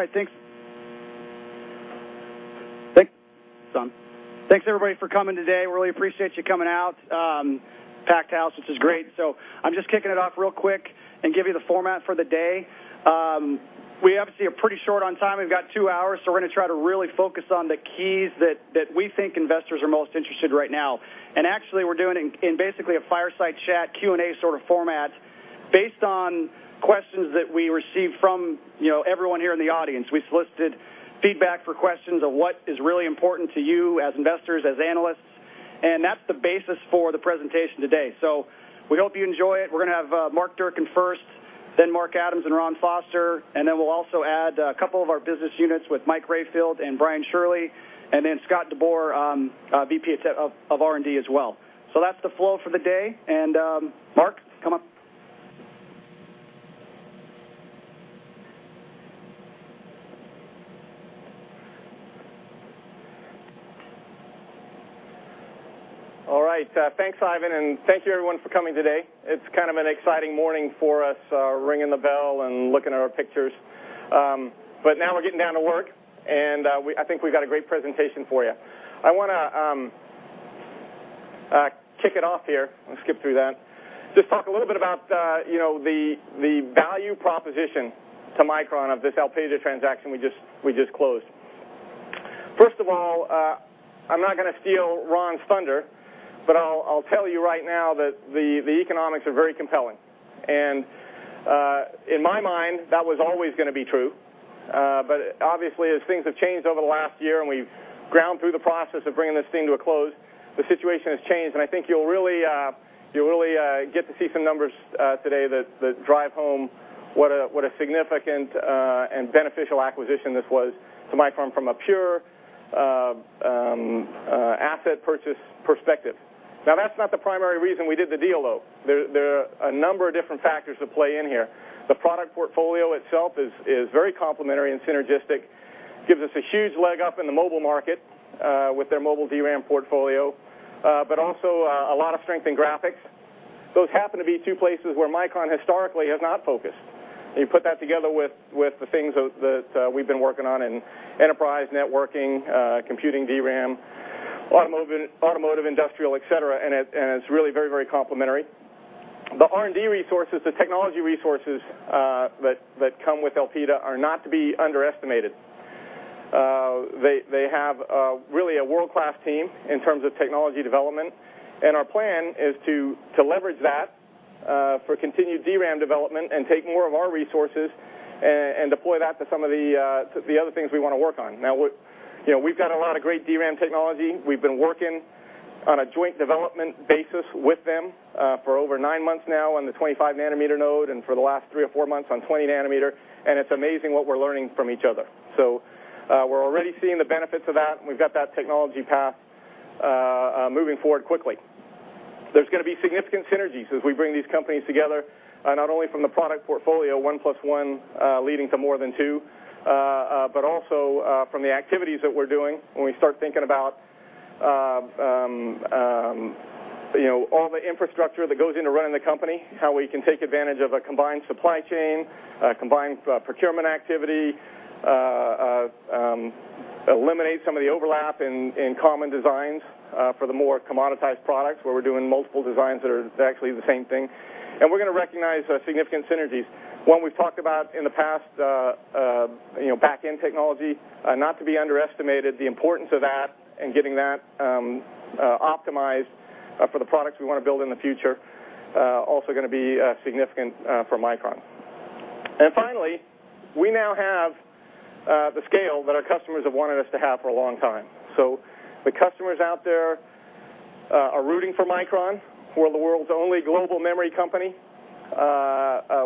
All right, thanks everybody for coming today. Really appreciate you coming out. Packed house, which is great. I'm just kicking it off real quick and give you the format for the day. We obviously are pretty short on time. We've got 2 hours, so we're going to try to really focus on the keys that we think investors are most interested right now. Actually, we're doing it in basically a fireside chat Q&A sort of format based on questions that we received from everyone here in the audience. We solicited feedback for questions on what is really important to you as investors, as analysts, and that's the basis for the presentation today. We hope you enjoy it. We're going to have Mark Durcan first, then Mark Adams and Ron Foster, then we'll also add a couple of our business units with Mike Rayfield and Brian Shirley, and then Scott DeBoer, VP of R&D as well. That's the flow for the day, Mark, come up. All right. Thanks, Ivan, thank you everyone for coming today. It's kind of an exciting morning for us, ringing the bell and looking at our pictures. Now we're getting down to work, I think we've got a great presentation for you. I want to kick it off here. I'll skip through that. Just talk a little bit about the value proposition to Micron of this Elpida transaction we just closed. First of all, I'm not going to steal Ron's thunder, I'll tell you right now that the economics are very compelling. In my mind, that was always going to be true. Obviously, as things have changed over the last year and we've ground through the process of bringing this thing to a close, the situation has changed. I think you'll really get to see some numbers today that drive home what a significant and beneficial acquisition this was to Micron from a pure asset purchase perspective. Now, that's not the primary reason we did the deal, though. There are a number of different factors that play in here. The product portfolio itself is very complementary and synergistic, gives us a huge leg up in the mobile market with their mobile DRAM portfolio, but also a lot of strength in graphics. Those happen to be two places where Micron historically has not focused. You put that together with the things that we've been working on in enterprise networking, computing DRAM, automotive, industrial, et cetera, and it's really very, very complementary. The R&D resources, the technology resources that come with Elpida are not to be underestimated. They have really a world-class team in terms of technology development. Our plan is to leverage that for continued DRAM development and take more of our resources and deploy that to some of the other things we want to work on. We've got a lot of great DRAM technology. We've been working on a joint development basis with them for over nine months now on the 25-nanometer node and for the last three or four months on 20-nanometer, and it's amazing what we're learning from each other. We're already seeing the benefits of that, and we've got that technology path moving forward quickly. There's going to be significant synergies as we bring these companies together, not only from the product portfolio, one plus one leading to more than two, but also from the activities that we're doing when we start thinking about all the infrastructure that goes into running the company, how we can take advantage of a combined supply chain, a combined procurement activity, eliminate some of the overlap in common designs for the more commoditized products where we're doing multiple designs that are actually the same thing. We're going to recognize significant synergies. One we've talked about in the past, backend technology, not to be underestimated, the importance of that and getting that optimized for the products we want to build in the future, also going to be significant for Micron. Finally, we now have the scale that our customers have wanted us to have for a long time. The customers out there are rooting for Micron. We're the world's only global memory company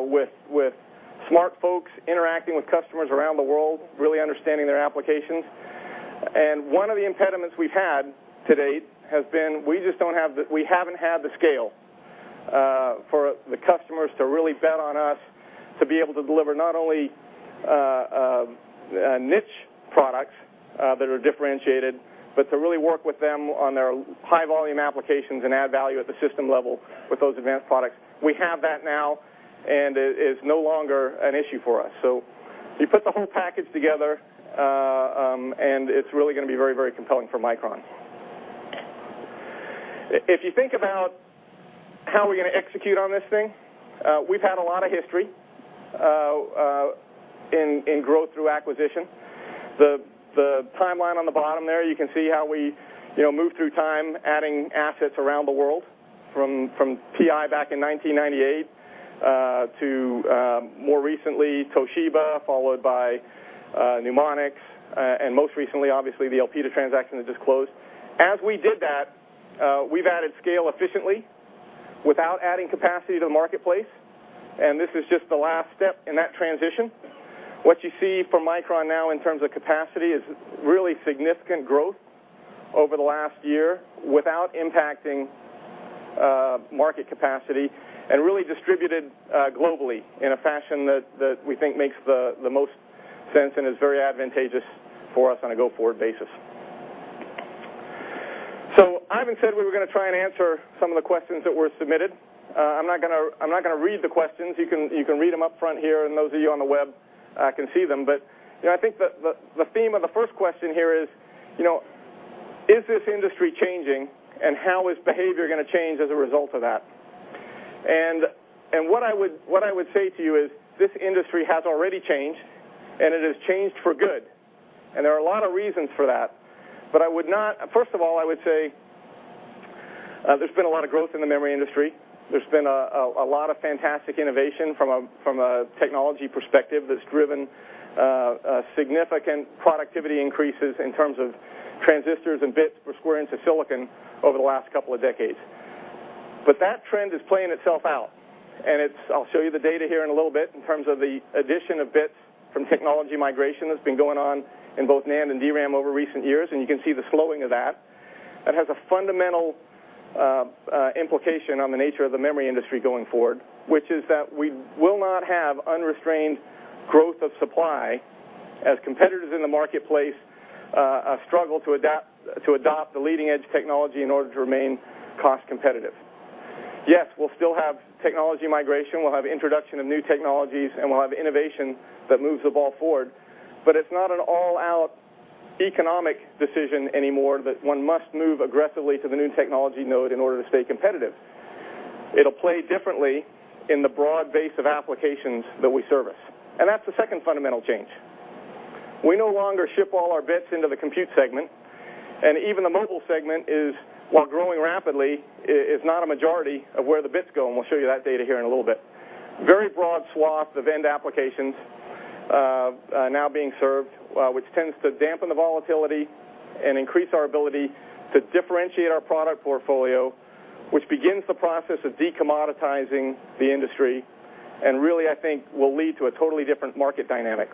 with smart folks interacting with customers around the world, really understanding their applications. One of the impediments we've had to date has been we haven't had the scale for the customers to really bet on us to be able to deliver not only niche products that are differentiated, but to really work with them on their high-volume applications and add value at the system level with those advanced products. We have that now, and it is no longer an issue for us. You put the whole package together, and it's really going to be very compelling for Micron. If you think about how we're going to execute on this thing, we've had a lot of history in growth through acquisition. The timeline on the bottom there, you can see how we move through time adding assets around the world, from TI back in 1998 to more recently Toshiba, followed by Numonyx. Most recently, obviously, the Elpida transaction that just closed. As we did that, we've added scale efficiently without adding capacity to the marketplace. This is just the last step in that transition. What you see from Micron now in terms of capacity is really significant growth over the last year without impacting market capacity. Really distributed globally in a fashion that we think makes the most sense and is very advantageous for us on a go-forward basis. Ivan said we were going to try and answer some of the questions that were submitted. I'm not going to read the questions. You can read them up front here, and those of you on the web can see them. I think the theme of the first question here is this industry changing, and how is behavior going to change as a result of that? What I would say to you is this industry has already changed, and it has changed for good. There are a lot of reasons for that. First of all, I would say there's been a lot of growth in the memory industry. There's been a lot of fantastic innovation from a technology perspective that's driven significant productivity increases in terms of transistors and bits per square inch of silicon over the last couple of decades. That trend is playing itself out, I'll show you the data here in a little bit in terms of the addition of bits from technology migration that's been going on in both NAND and DRAM over recent years, and you can see the slowing of that. That has a fundamental implication on the nature of the memory industry going forward, which is that we will not have unrestrained growth of supply as competitors in the marketplace struggle to adopt the leading-edge technology in order to remain cost-competitive. Yes, we'll still have technology migration, we'll have introduction of new technologies, we'll have innovation that moves the ball forward. It's not an all-out economic decision anymore that one must move aggressively to the new technology node in order to stay competitive. It'll play differently in the broad base of applications that we service. That's the second fundamental change. We no longer ship all our bits into the compute segment, and even the mobile segment is, while growing rapidly, is not a majority of where the bits go, and we'll show you that data here in a little bit. Very broad swath of end applications now being served, which tends to dampen the volatility and increase our ability to differentiate our product portfolio, which begins the process of de-commoditizing the industry, really, I think, will lead to a totally different market dynamic.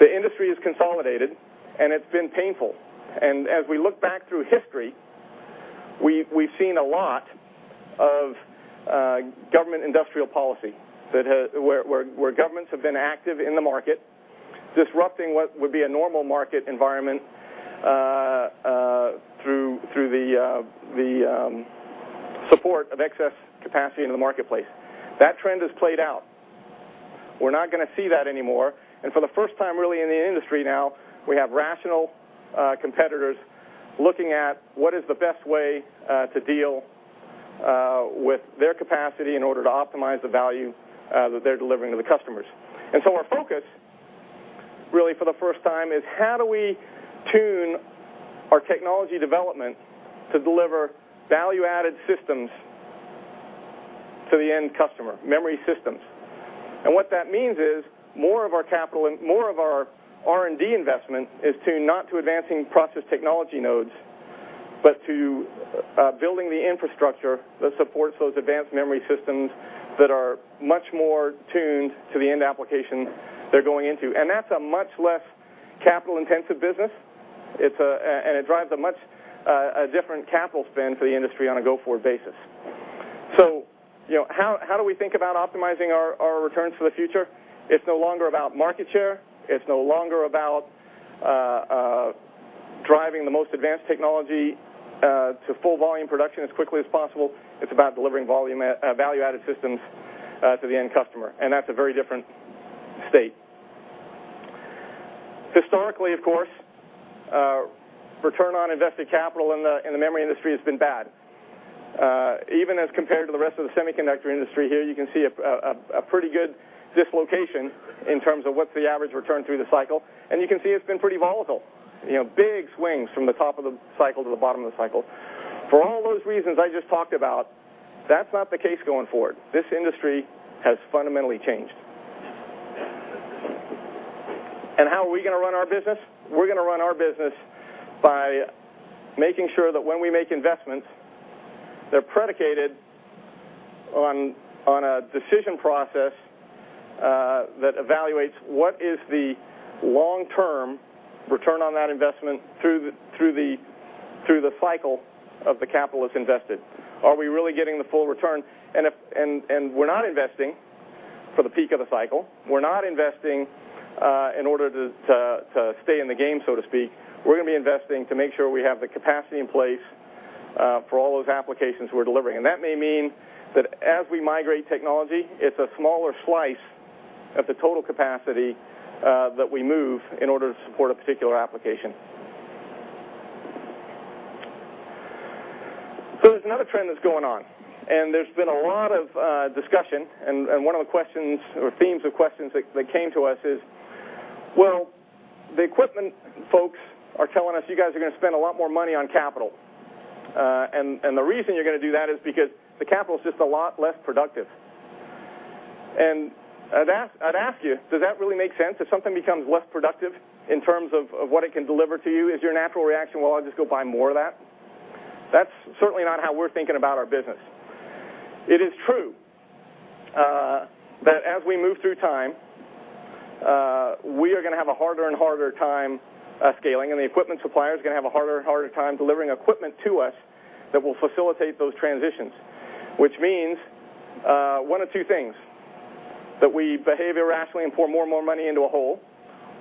The industry is consolidated, it's been painful. As we look back through history, we've seen a lot of government industrial policy where governments have been active in the market, disrupting what would be a normal market environment through the support of excess capacity in the marketplace. That trend has played out. We're not going to see that anymore. For the first time, really, in the industry now, we have rational competitors looking at what is the best way to deal with their capacity in order to optimize the value that they're delivering to the customers. Our focus, really for the first time, is how do we tune our technology development to deliver value-added systems to the end customer, memory systems. What that means is more of our R&D investment is tuned not to advancing process technology nodes, but to building the infrastructure that supports those advanced memory systems that are much more tuned to the end application they're going into. That's a much less capital-intensive business. It drives a different capital spend for the industry on a go-forward basis. How do we think about optimizing our returns for the future? It's no longer about market share. It's no longer about driving the most advanced technology to full volume production as quickly as possible. It's about delivering value-added systems to the end customer. That's a very different state. Historically, of course, return on invested capital in the memory industry has been bad. Even as compared to the rest of the semiconductor industry here, you can see a pretty good dislocation in terms of what's the average return through the cycle. You can see it's been pretty volatile. Big swings from the top of the cycle to the bottom of the cycle. For all those reasons I just talked about, that's not the case going forward. This industry has fundamentally changed. How are we going to run our business? We're going to run our business by making sure that when we make investments, they're predicated on a decision process that evaluates what is the long-term return on that investment through the cycle of the capital that's invested. Are we really getting the full return? We're not investing for the peak of the cycle. We're not investing in order to stay in the game, so to speak. We're going to be investing to make sure we have the capacity in place for all those applications we're delivering. That may mean that as we migrate technology, it's a smaller slice of the total capacity that we move in order to support a particular application. There's another trend that's going on, and there's been a lot of discussion, and one of the questions or themes of questions that came to us is, well, the equipment folks are telling us you guys are going to spend a lot more money on capital. The reason you're going to do that is because the capital's just a lot less productive. I'd ask you, does that really make sense? If something becomes less productive in terms of what it can deliver to you, is your natural reaction, well, I'll just go buy more of that? That's certainly not how we're thinking about our business. It is true that as we move through time, we are going to have a harder and harder time scaling, and the equipment supplier is going to have a harder and harder time delivering equipment to us that will facilitate those transitions, which means one of two things. That we behave irrationally and pour more and more money into a hole,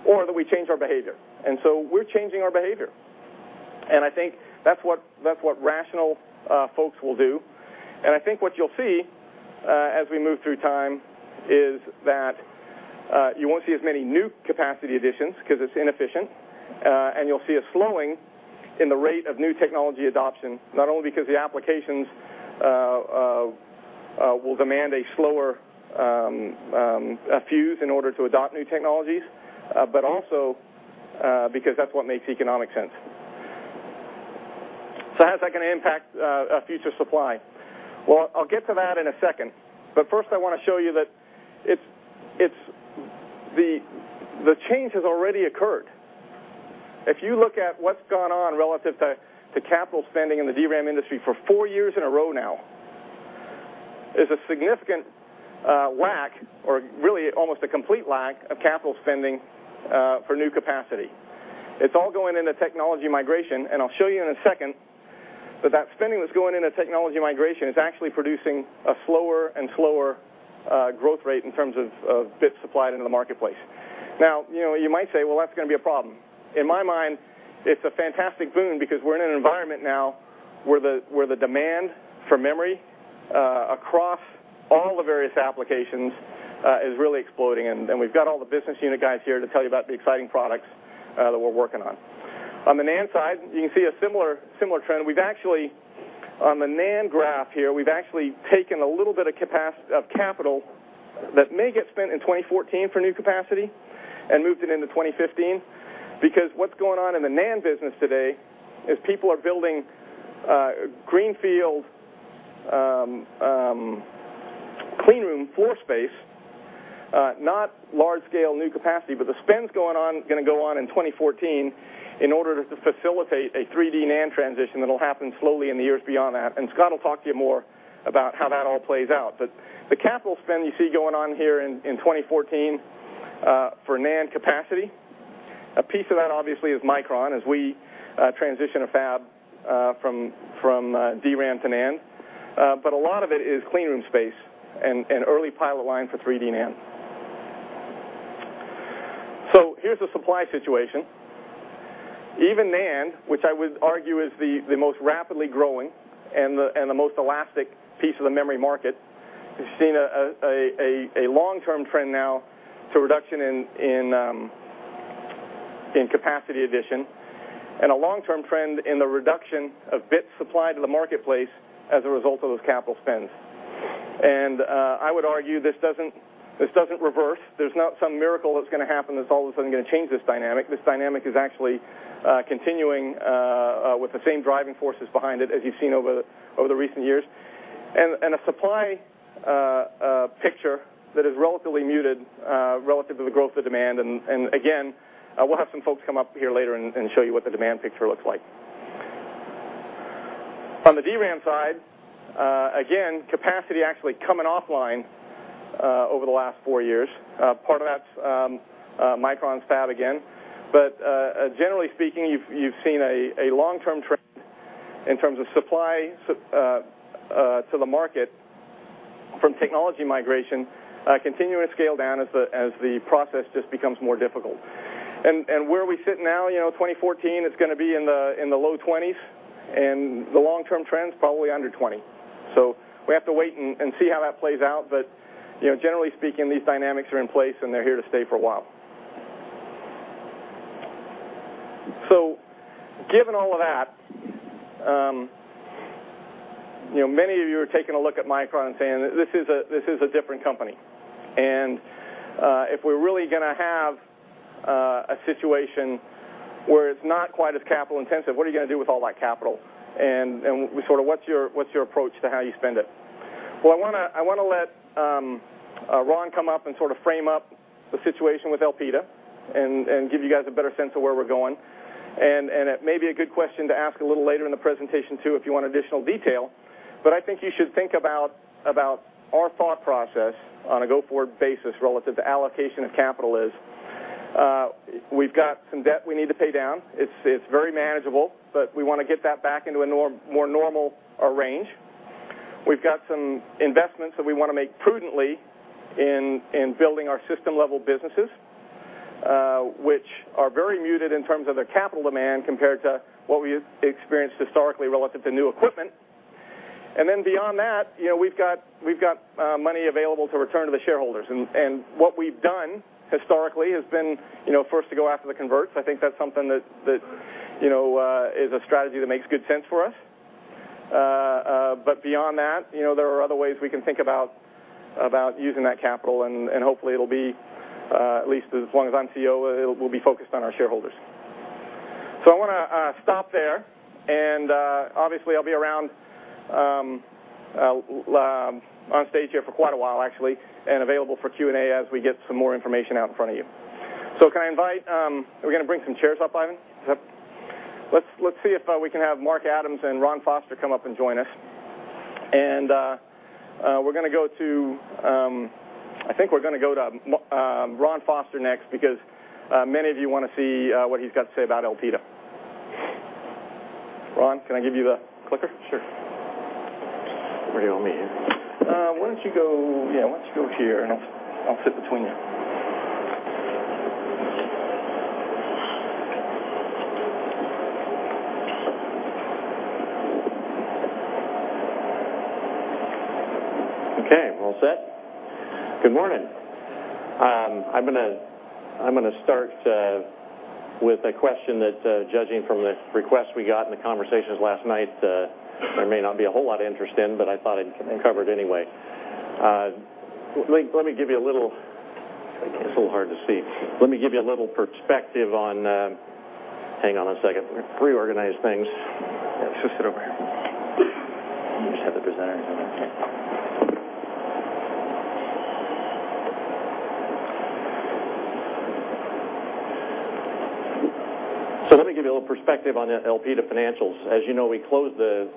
or that we change our behavior. We're changing our behavior. I think that's what rational folks will do. I think what you'll see as we move through time is that you won't see as many new capacity additions because it's inefficient, and you'll see a slowing in the rate of new technology adoption, not only because the applications will demand a slower fuse in order to adopt new technologies, but also because that's what makes economic sense. How's that going to impact future supply? I'll get to that in a second, but first I want to show you that the change has already occurred. If you look at what's gone on relative to capital spending in the DRAM industry for four years in a row now, there's a significant lack, or really almost a complete lack of capital spending for new capacity. It's all going into technology migration, and I'll show you in a second that that spending that's going into technology migration is actually producing a slower and slower growth rate in terms of bits supplied into the marketplace. You might say, well, that's going to be a problem. In my mind, it's a fantastic boon because we're in an environment now where the demand for memory across all the various applications is really exploding, and we've got all the business unit guys here to tell you about the exciting products that we're working on. On the NAND side, you can see a similar trend. On the NAND graph here, we've actually taken a little bit of capital that may get spent in 2014 for new capacity and moved it into 2015. What's going on in the NAND business today is people are building greenfield clean room floor space, not large-scale new capacity, but the spend's going to go on in 2014 in order to facilitate a 3D NAND transition that'll happen slowly in the years beyond that. Scott will talk to you more about how that all plays out. The capital spend you see going on here in 2014 for NAND capacity, a piece of that obviously is Micron as we transition a fab from DRAM to NAND. A lot of it is clean room space and early pilot line for 3D NAND. Here's the supply situation. Even NAND, which I would argue is the most rapidly growing and the most elastic piece of the memory market, has seen a long-term trend now to reduction in capacity addition, and a long-term trend in the reduction of bit supply to the marketplace as a result of those capital spends. I would argue this doesn't reverse. There's not some miracle that's going to happen that's all of a sudden going to change this dynamic. This dynamic is actually continuing with the same driving forces behind it as you've seen over the recent years. A supply picture that is relatively muted relative to the growth of demand, and again, we'll have some folks come up here later and show you what the demand picture looks like. On the DRAM side, again, capacity actually coming offline over the last four years. Part of that's Micron's fab again. Generally speaking, you've seen a long-term trend in terms of supply to the market from technology migration continuing to scale down as the process just becomes more difficult. Where we sit now, 2014 is going to be in the low 20s, and the long-term trend's probably under 20. We have to wait and see how that plays out, but generally speaking, these dynamics are in place, and they're here to stay for a while. Given all of that, many of you are taking a look at Micron and saying, "This is a different company. If we're really going to have a situation where it's not quite as capital-intensive, what are you going to do with all that capital? What's your approach to how you spend it?" I want to let Ron come up and frame up the situation with Elpida and give you guys a better sense of where we're going. It may be a good question to ask a little later in the presentation, too, if you want additional detail. I think you should think about our thought process on a go-forward basis relative to allocation of capital is. We've got some debt we need to pay down. It's very manageable, but we want to get that back into a more normal range. We've got some investments that we want to make prudently in building our system-level businesses, which are very muted in terms of their capital demand compared to what we experienced historically relative to new equipment. Beyond that, we've got money available to return to the shareholders. What we've done historically has been first to go after the converts. I think that's something that is a strategy that makes good sense for us. Beyond that, there are other ways we can think about using that capital, hopefully it'll be, at least as long as I'm CEO, it will be focused on our shareholders. I want to stop there and obviously, I'll be around on stage here for quite a while, actually, and available for Q&A as we get some more information out in front of you. Can I invite? Are we going to bring some chairs up, Ivan? Yep. Let's see if we can have Mark Adams and Ron Foster come up and join us. I think we're going to go to Ron Foster next because many of you want to see what he's got to say about Elpida. Ron, can I give you the clicker? Sure. Where do you want me? Why don't you go here, and I'll sit between you. Okay, all set. Good morning. I'm going to start with a question that, judging from the requests we got in the conversations last night, there may not be a whole lot of interest in, I thought I'd cover it anyway. It's a little hard to see. Let me reorganize things. Just sit over here. You just have the presenter over there. Let me give you a little perspective on Elpida financials. As you know, we closed the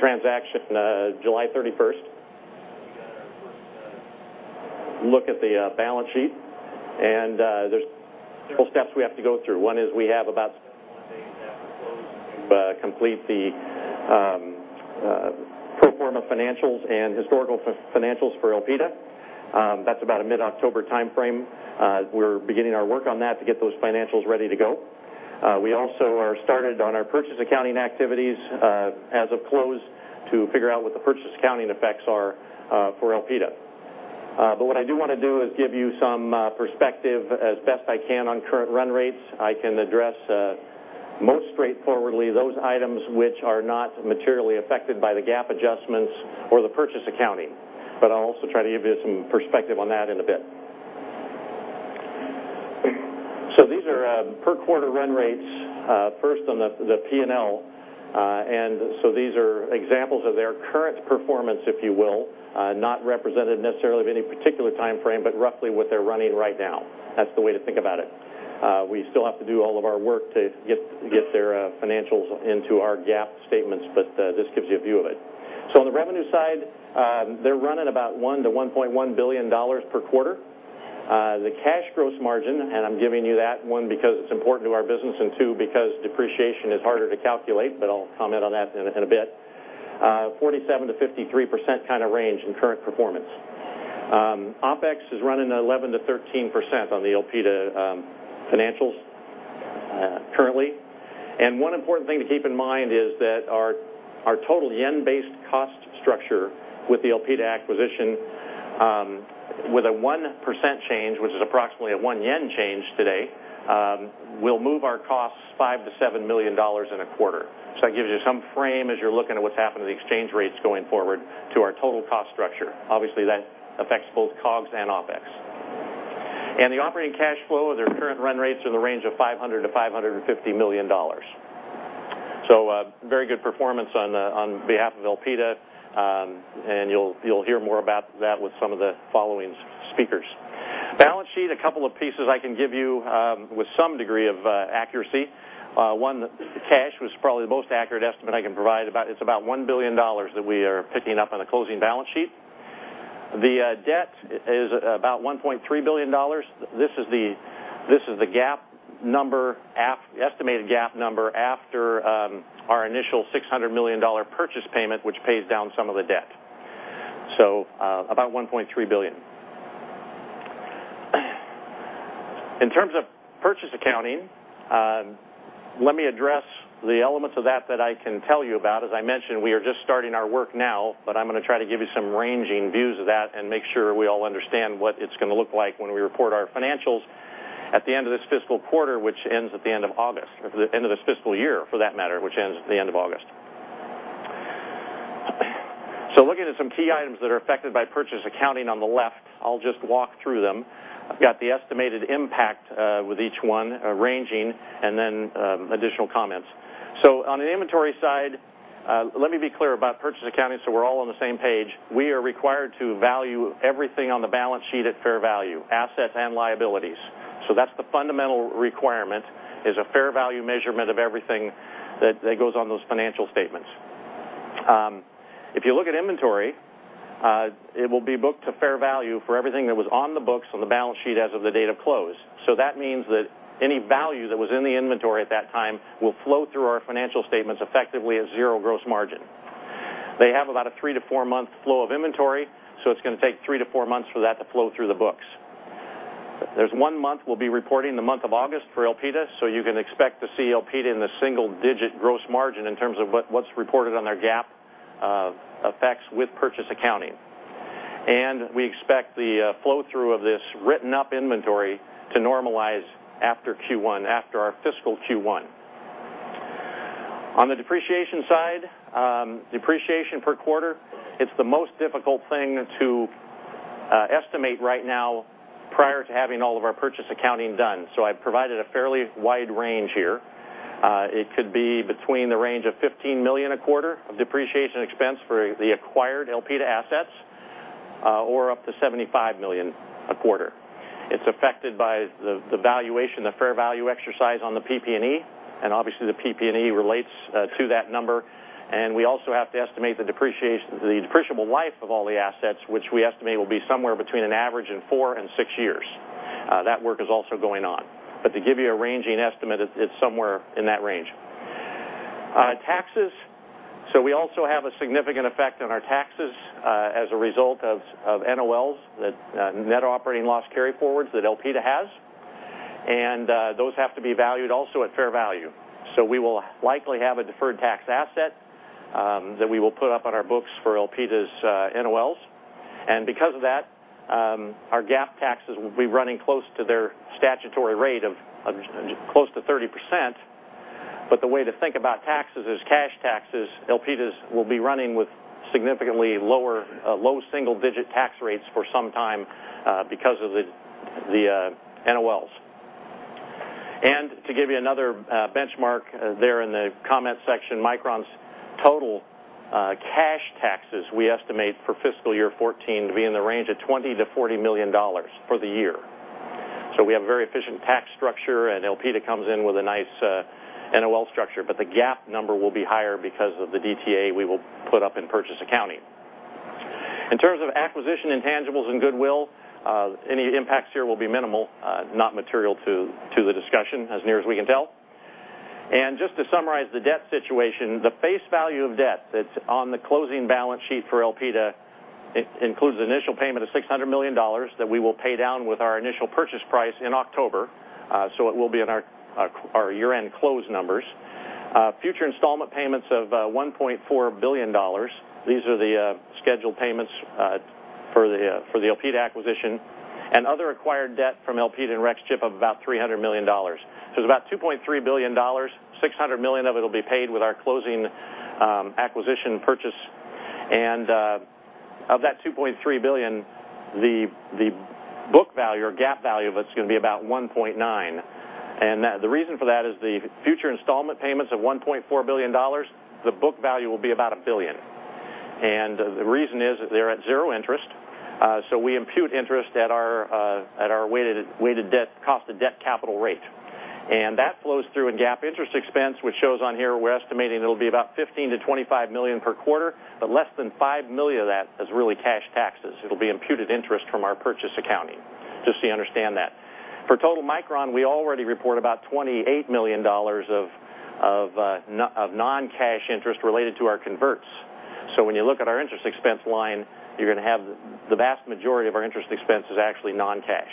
transaction July 31st. We got our first look at the balance sheet, there's several steps we have to go through. One is we have about 7 to 8 days after close to complete the pro forma financials and historical financials for Elpida. That's about a mid-October timeframe. We're beginning our work on that to get those financials ready to go. We also are started on our purchase accounting activities as of close to figure out what the purchase accounting effects are for Elpida. What I do want to do is give you some perspective as best I can on current run rates. I can address most straightforwardly those items which are not materially affected by the GAAP adjustments or the purchase accounting, but I'll also try to give you some perspective on that in a bit. These are per-quarter run rates, first on the P&L. These are examples of their current performance, if you will, not represented necessarily of any particular timeframe, but roughly what they're running right now. That's the way to think about it. We still have to do all of our work to get their financials into our GAAP statements, but this gives you a view of it. On the revenue side, they're running about $1 billion-$1.1 billion per quarter. The cash gross margin, and I'm giving you that, one, because it's important to our business, and two, because depreciation is harder to calculate, but I'll comment on that in a bit, 47%-53% kind of range in current performance. OpEx is running 11%-13% on the Elpida financials currently. One important thing to keep in mind is that our total JPY-based cost structure with the Elpida acquisition, with a 1% change, which is approximately a one JPY change today, will move our costs $5 million-$7 million in a quarter. That gives you some frame as you're looking at what's happened to the exchange rates going forward to our total cost structure. Obviously, that affects both COGS and OpEx. The operating cash flow at their current run rates are in the range of $500 million-$550 million. Very good performance on behalf of Elpida, and you'll hear more about that with some of the following speakers. Balance sheet, a couple of pieces I can give you with some degree of accuracy. One, cash, was probably the most accurate estimate I can provide. It's about $1 billion that we are picking up on the closing balance sheet. The debt is about $1.3 billion. This is the estimated GAAP number after our initial $600 million purchase payment, which pays down some of the debt. About $1.3 billion. In terms of purchase accounting, let me address the elements of that that I can tell you about. As I mentioned, we are just starting our work now, but I'm going to try to give you some ranging views of that and make sure we all understand what it's going to look like when we report our financials at the end of this fiscal quarter, which ends at the end of August, or the end of this fiscal year, for that matter, which ends at the end of August. Looking at some key items that are affected by purchase accounting on the left, I'll walk through them. I've got the estimated impact with each one ranging and then additional comments. On the inventory side, let me be clear about purchase accounting so we're all on the same page. We are required to value everything on the balance sheet at fair value, assets and liabilities. That's the fundamental requirement, is a fair value measurement of everything that goes on those financial statements. If you look at inventory, it will be booked to fair value for everything that was on the books on the balance sheet as of the date of close. That means that any value that was in the inventory at that time will flow through our financial statements effectively at zero gross margin. They have about a 3- to 4-month flow of inventory, so it's going to take 3 to 4 months for that to flow through the books. There's one month we'll be reporting the month of August for Elpida, so you can expect to see Elpida in the single-digit gross margin in terms of what's reported on our GAAP effects with purchase accounting. We expect the flow-through of this written-up inventory to normalize after Q1, after our fiscal Q1. On the depreciation side, depreciation per quarter, it's the most difficult thing to estimate right now prior to having all of our purchase accounting done. I've provided a fairly wide range here. It could be between the range of $15 million a quarter of depreciation expense for the acquired Elpida assets or up to $75 million a quarter. It's affected by the valuation, the fair value exercise on the PP&E, and obviously, the PP&E relates to that number. We also have to estimate the depreciable life of all the assets, which we estimate will be somewhere between an average of 4 and 6 years. That work is also going on. To give you a ranging estimate, it's somewhere in that range. Taxes. We also have a significant effect on our taxes as a result of NOLs, the net operating loss carryforwards that Elpida has. Those have to be valued also at fair value. We will likely have a deferred tax asset that we will put up on our books for Elpida's NOLs. Because of that, our GAAP taxes will be running close to their statutory rate of close to 30%. The way to think about taxes is cash taxes. Elpida's will be running with significantly low single-digit tax rates for some time because of the NOLs. To give you another benchmark there in the comment section, Micron's total cash taxes, we estimate for fiscal year 2014 to be in the range of $20 million to $40 million for the year. We have a very efficient tax structure, and Elpida comes in with a nice NOL structure, but the GAAP number will be higher because of the DTA we will put up in purchase accounting. In terms of acquisition intangibles and goodwill, any impacts here will be minimal, not material to the discussion as near as we can tell. To summarize the debt situation, the face value of debt that's on the closing balance sheet for Elpida includes an initial payment of $600 million that we will pay down with our initial purchase price in October. It will be in our year-end close numbers. Future installment payments of $1.4 billion. These are the scheduled payments for the Elpida acquisition. Other acquired debt from Elpida and Rexchip of about $300 million. It's about $2.3 billion. $600 million of it will be paid with our closing acquisition purchase. Of that $2.3 billion, the book value or GAAP value of it's going to be about $1.9 billion. The reason for that is the future installment payments of $1.4 billion, the book value will be about $1 billion. The reason is that they're at zero interest, so we impute interest at our weighted cost of debt capital rate. That flows through in GAAP interest expense, which shows on here, we're estimating it'll be about $15 million-$25 million per quarter, but less than $5 million of that is really cash taxes. It'll be imputed interest from our purchase accounting. Just so you understand that. For total Micron, we already report about $28 million of non-cash interest related to our converts. When you look at our interest expense line, the vast majority of our interest expense is actually non-cash.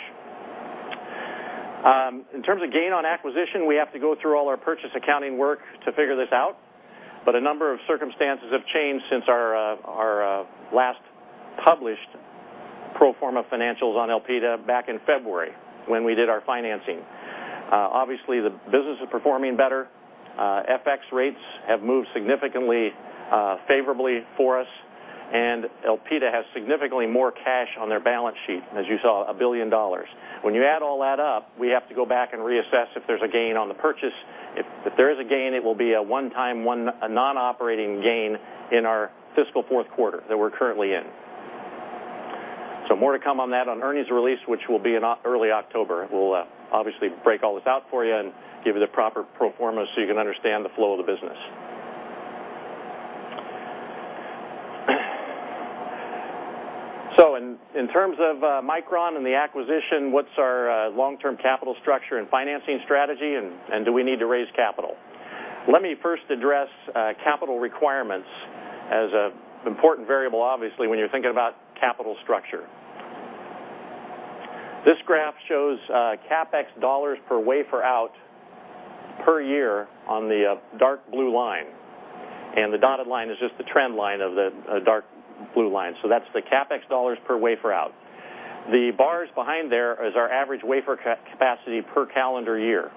In terms of gain on acquisition, we have to go through all our purchase accounting work to figure this out. A number of circumstances have changed since our last published pro forma financials on Elpida back in February, when we did our financing. Obviously, the business is performing better. FX rates have moved significantly favorably for us, and Elpida has significantly more cash on their balance sheet, as you saw, $1 billion. When you add all that up, we have to go back and reassess if there's a gain on the purchase. If there is a gain, it will be a one-time, non-operating gain in our fiscal fourth quarter that we're currently in. More to come on that on earnings release, which will be in early October. We'll obviously break all this out for you and give you the proper pro forma so you can understand the flow of the business. In terms of Micron and the acquisition, what's our long-term capital structure and financing strategy, and do we need to raise capital? Let me first address capital requirements as an important variable, obviously, when you're thinking about capital structure. This graph shows CapEx dollars per wafer out per year on the dark blue line, and the dotted line is just the trend line of the dark blue line. That's the CapEx dollars per wafer out. The bars behind there is our average wafer capacity per calendar year.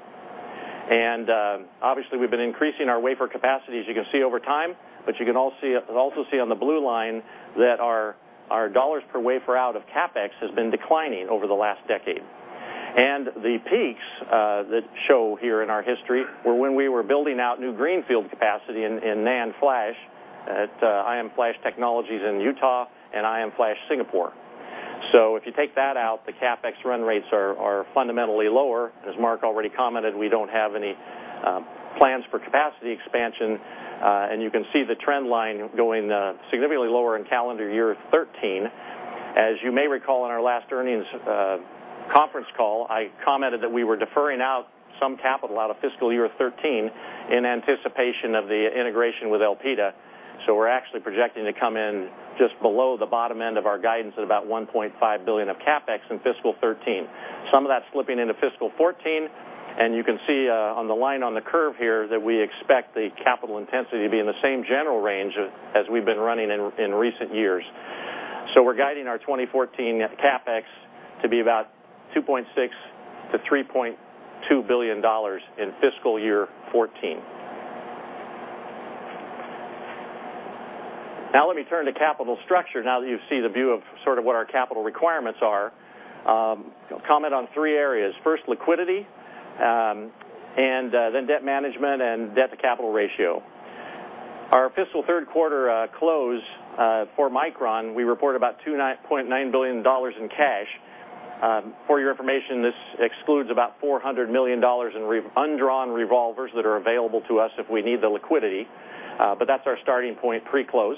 Obviously, we've been increasing our wafer capacity, as you can see, over time, but you can also see on the blue line that our dollars per wafer out of CapEx has been declining over the last decade. The peaks that show here in our history were when we were building out new greenfield capacity in NAND flash at IM Flash Technologies in Utah and IM Flash Singapore. If you take that out, the CapEx run rates are fundamentally lower. As Mark already commented, we don't have any plans for capacity expansion. You can see the trend line going significantly lower in calendar year 2013. As you may recall, in our last earnings conference call, I commented that we were deferring out some capital out of fiscal year 2013 in anticipation of the integration with Elpida. We're actually projecting to come in just below the bottom end of our guidance at about $1.5 billion of CapEx in fiscal 2013. Some of that's slipping into fiscal 2014, you can see on the line on the curve here that we expect the capital intensity to be in the same general range as we've been running in recent years. We're guiding our 2014 CapEx to be about $2.6 billion-$3.2 billion in fiscal year 2014. Let me turn to capital structure now that you see the view of sort of what our capital requirements are. I'll comment on three areas. First, liquidity, and then debt management and debt to capital ratio. Our fiscal third quarter close for Micron, we report about $2.9 billion in cash. For your information, this excludes about $400 million in undrawn revolvers that are available to us if we need the liquidity. That's our starting point pre-close.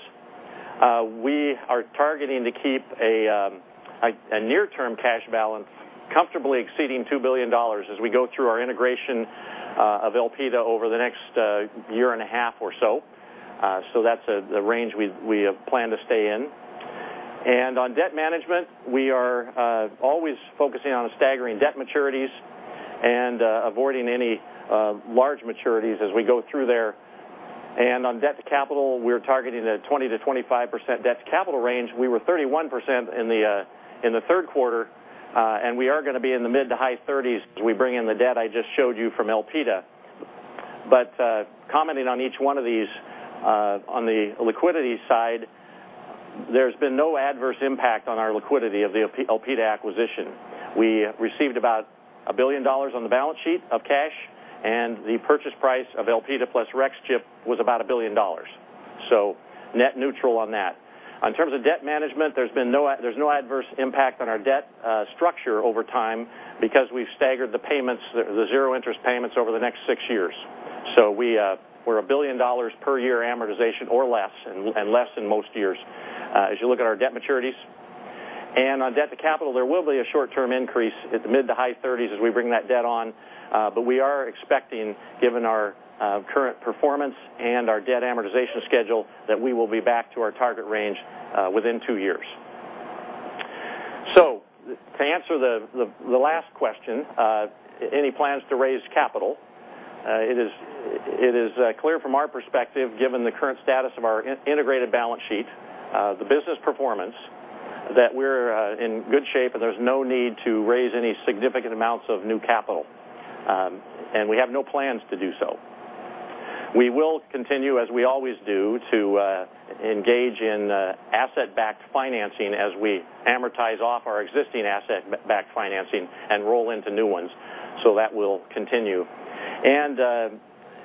We are targeting to keep a near-term cash balance comfortably exceeding $2 billion as we go through our integration of Elpida over the next year and a half or so. That's the range we plan to stay in. On debt management, we are always focusing on staggering debt maturities and avoiding any large maturities as we go through there. On debt to capital, we're targeting a 20%-25% debt to capital range. We were 31% in the third quarter, and we are going to be in the mid-to-high 30s as we bring in the debt I just showed you from Elpida. Commenting on each one of these, on the liquidity side, there's been no adverse impact on our liquidity of the Elpida acquisition. We received about $1 billion on the balance sheet of cash, and the purchase price of Elpida plus Rexchip was about $1 billion. Net neutral on that. In terms of debt management, there's no adverse impact on our debt structure over time because we've staggered the zero interest payments over the next six years. We're a $1 billion per year amortization, or less, and less in most years, as you look at our debt maturities. On debt to capital, there will be a short-term increase at the mid-to-high 30s as we bring that debt on. We are expecting, given our current performance and our debt amortization schedule, that we will be back to our target range within two years. To answer the last question, any plans to raise capital? It is clear from our perspective, given the current status of our integrated balance sheet, the business performance, that we're in good shape, there's no need to raise any significant amounts of new capital. We have no plans to do so. We will continue, as we always do, to engage in asset-backed financing as we amortize off our existing asset-backed financing and roll into new ones. That will continue.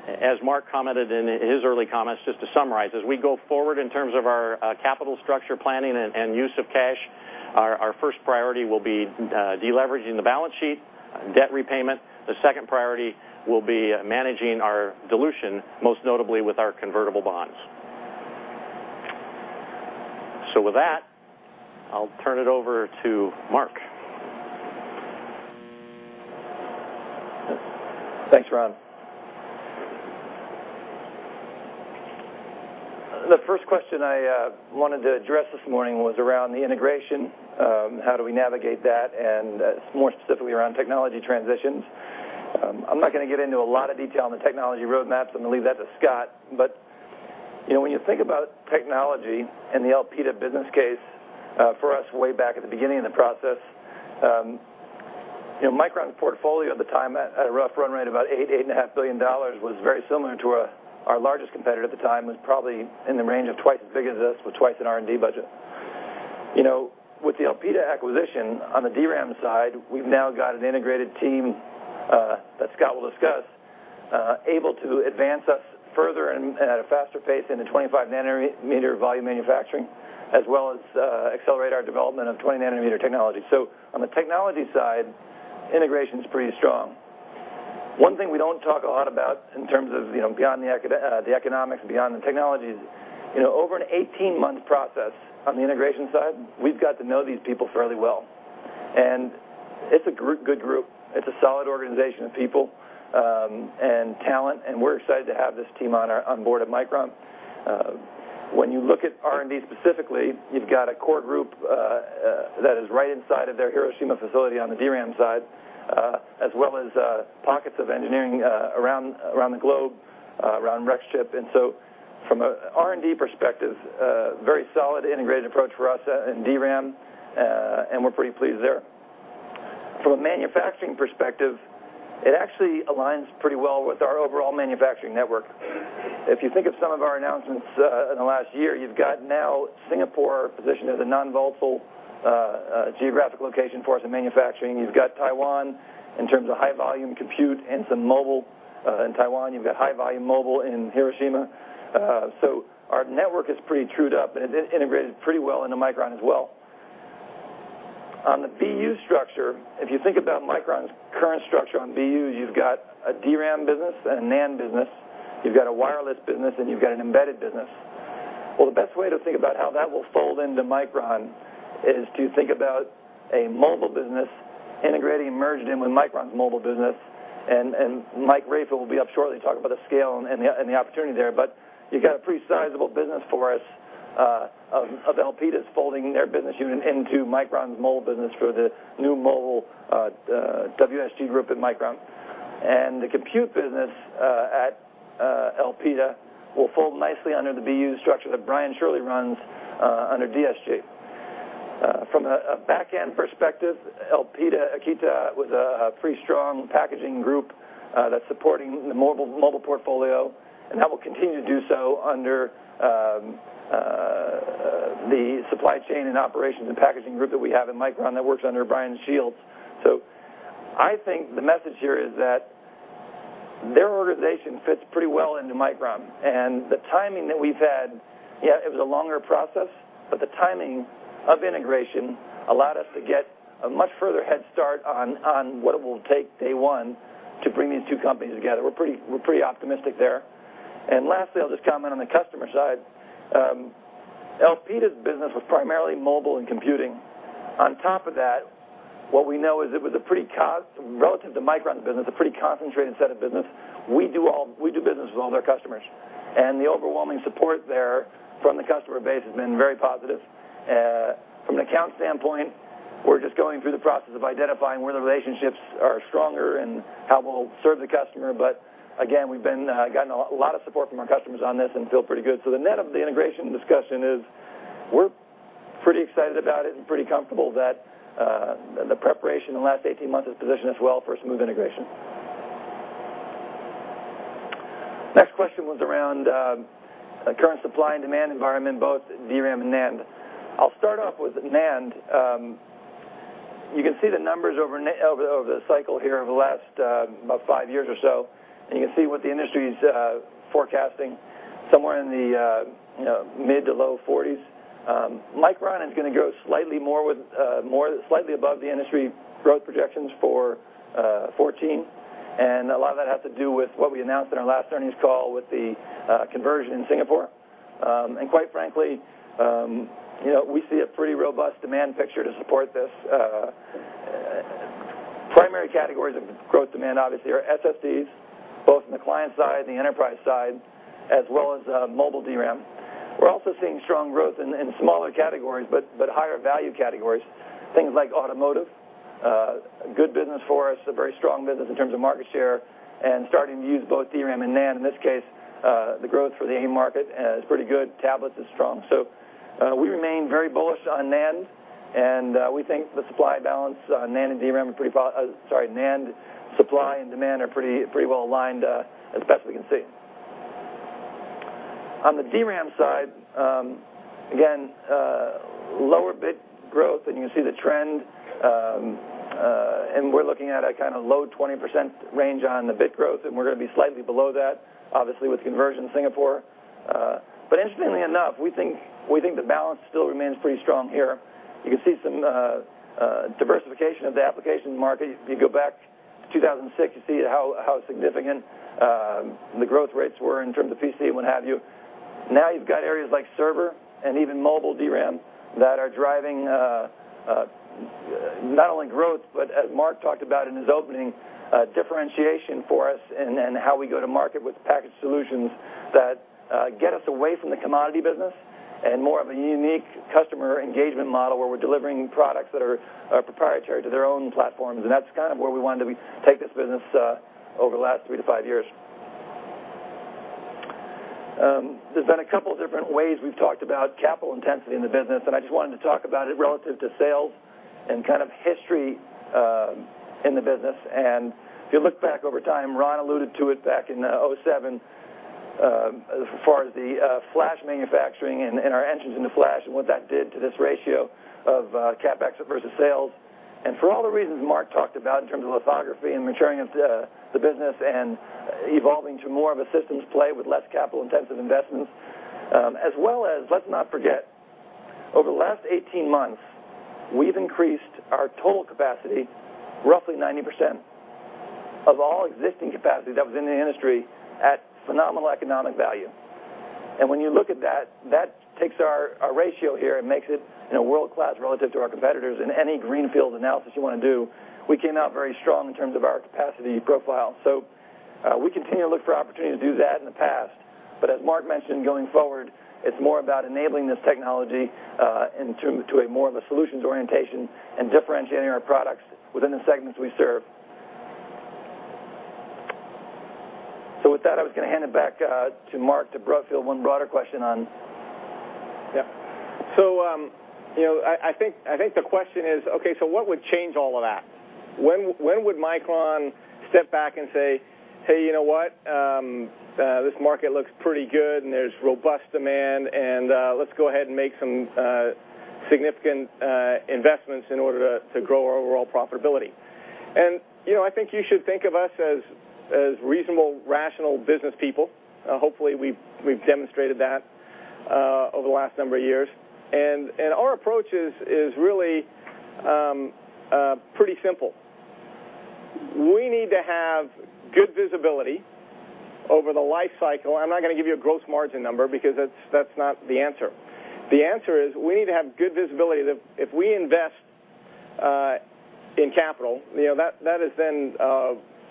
As Mark commented in his early comments, just to summarize, as we go forward in terms of our capital structure planning and use of cash, our first priority will be de-leveraging the balance sheet, debt repayment. The second priority will be managing our dilution, most notably with our convertible bonds. With that, I'll turn it over to Mark. Thanks, Ron. The first question I wanted to address this morning was around the integration, how do we navigate that, and more specifically, around technology transitions. I'm not going to get into a lot of detail on the technology roadmaps. I'm going to leave that to Scott. When you think about technology and the Elpida business case for us way back at the beginning of the process, Micron's portfolio at the time, at a rough run rate about $8 billion-$8.5 billion, was very similar to our largest competitor at the time, was probably in the range of twice as big as us with twice in R&D budget. With the Elpida acquisition on the DRAM side, we've now got an integrated team, that Scott will discuss, able to advance us further and at a faster pace into 25-nanometer volume manufacturing, as well as accelerate our development of 20-nanometer technology. On the technology side, integration's pretty strong. One thing we don't talk a lot about in terms of beyond the economics and beyond the technology is, over an 18-month process on the integration side, we've got to know these people fairly well. It's a good group. It's a solid organization of people and talent, and we're excited to have this team on board at Micron. When you look at R&D specifically, you've got a core group that is right inside of their Hiroshima facility on the DRAM side, as well as pockets of engineering around the globe, around Rexchip. From an R&D perspective, very solid integrated approach for us in DRAM, and we're pretty pleased there. From a manufacturing perspective, it actually aligns pretty well with our overall manufacturing network. If you think of some of our announcements in the last year, you've got now Singapore positioned as a non-volatile geographic location for us in manufacturing. You've got Taiwan, in terms of high-volume compute and some mobile in Taiwan. You've got high-volume mobile in Hiroshima. Our network is pretty trued up, and it integrated pretty well into Micron as well. On the BU structure, if you think about Micron's current structure on BU, you've got a DRAM business and a NAND business. You've got a wireless business, and you've got an embedded business. The best way to think about how that will fold into Micron is to think about a mobile business integrating, merged in with Micron's mobile business. Mike Rayfield will be up shortly to talk about the scale and the opportunity there. You got a pretty sizable business for us of Elpida's folding their business unit into Micron's mobile business for the new mobile WSG group at Micron. The compute business at Elpida will fold nicely under the BU structure that Brian Shirley runs under DSG. From a backend perspective, Elpida Akita was a pretty strong packaging group that's supporting the mobile portfolio, and that will continue to do so under the supply chain and operations and packaging group that we have at Micron that works under Brian Shields. I think the message here is that their organization fits pretty well into Micron. The timing that we've had, yeah, it was a longer process. The timing of integration allowed us to get a much further head start on what it will take day one to bring these two companies together. We're pretty optimistic there. Lastly, I'll just comment on the customer side. Elpida's business was primarily mobile and computing. On top of that, what we know is it was, relative to Micron's business, a pretty concentrated set of business. We do business with all of their customers, and the overwhelming support there from the customer base has been very positive. From an account standpoint, we're just going through the process of identifying where the relationships are stronger and how we'll serve the customer. Again, we've gotten a lot of support from our customers on this and feel pretty good. The net of the integration discussion is we're pretty excited about it and pretty comfortable that the preparation in the last 18 months has positioned us well for a smooth integration. Next question was around current supply and demand environment, both DRAM and NAND. I'll start off with NAND. You can see the numbers over the cycle here over the last about five years or so, you can see what the industry's forecasting, somewhere in the mid to low 40s. Micron is going to grow slightly above the industry growth projections for 2014. A lot of that has to do with what we announced in our last earnings call with the conversion in Singapore. Quite frankly, we see a pretty robust demand picture to support this. Primary categories of growth demand obviously are SSDs, both in the client side and the enterprise side, as well as mobile DRAM. We're also seeing strong growth in smaller categories, but higher value categories, things like automotive. Good business for us, a very strong business in terms of market share and starting to use both DRAM and NAND. In this case, the growth for the end market is pretty good. Tablets is strong. We remain very bullish on NAND, we think the NAND supply and demand are pretty well aligned as best we can see. On the DRAM side, again, lower bit growth, you can see the trend. We're looking at a kind of low 20% range on the bit growth, we're going to be slightly below that, obviously, with conversion in Singapore. Interestingly enough, we think the balance still remains pretty strong here. You can see some diversification of the application market. If you go back to 2006, you see how significant the growth rates were in terms of PC and what have you. Now you've got areas like server and even mobile DRAM that are driving not only growth, but as Mark talked about in his opening, differentiation for us and how we go to market with packaged solutions that get us away from the commodity business and more of a unique customer engagement model where we're delivering products that are proprietary to their own platforms. That's kind of where we wanted to take this business over the last three to five years. There's been a couple different ways we've talked about capital intensity in the business, I just wanted to talk about it relative to sales and kind of history in the business. If you look back over time, Ron alluded to it back in 2007, as far as the flash manufacturing and our entrance into flash and what that did to this ratio of CapEx versus sales. For all the reasons Mark talked about in terms of lithography and maturing of the business and evolving to more of a systems play with less capital-intensive investments. As well as, let's not forget, over the last 18 months, we've increased our total capacity, roughly 90% of all existing capacity that was in the industry at phenomenal economic value. When you look at that takes our ratio here and makes it world-class relative to our competitors in any greenfield analysis you want to do. We came out very strong in terms of our capacity profile. We continue to look for opportunities to do that in the past. As Mark mentioned going forward, it's more about enabling this technology into more of a solutions orientation and differentiating our products within the segments we serve. With that, I was going to hand it back to Mark to broach the one broader question on. I think the question is, okay, what would change all of that? When would Micron step back and say, "Hey, you know what? This market looks pretty good, and there's robust demand, and let's go ahead and make some significant investments in order to grow our overall profitability"? I think you should think of us as reasonable, rational business people. Hopefully, we've demonstrated that over the last number of years. Our approach is really pretty simple. We need to have good visibility over the life cycle. I'm not going to give you a gross margin number because that's not the answer. The answer is we need to have good visibility that if we invest in capital, that is then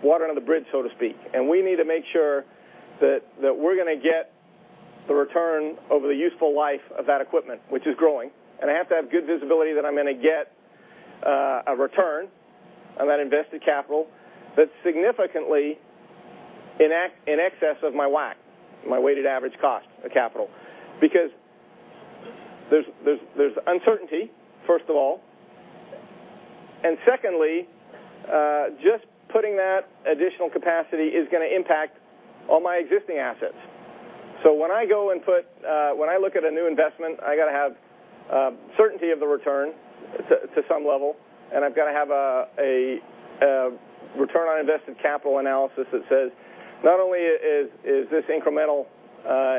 water under the bridge, so to speak. We need to make sure that we're going to get the return over the useful life of that equipment, which is growing. I have to have good visibility that I'm going to get a return on that invested capital that's significantly in excess of my WACC, my weighted average cost of capital. There's uncertainty, first of all. Secondly, just putting that additional capacity is going to impact all my existing assets. When I look at a new investment, I got to have certainty of the return to some level, and I've got to have a return on invested capital analysis that says not only is this incremental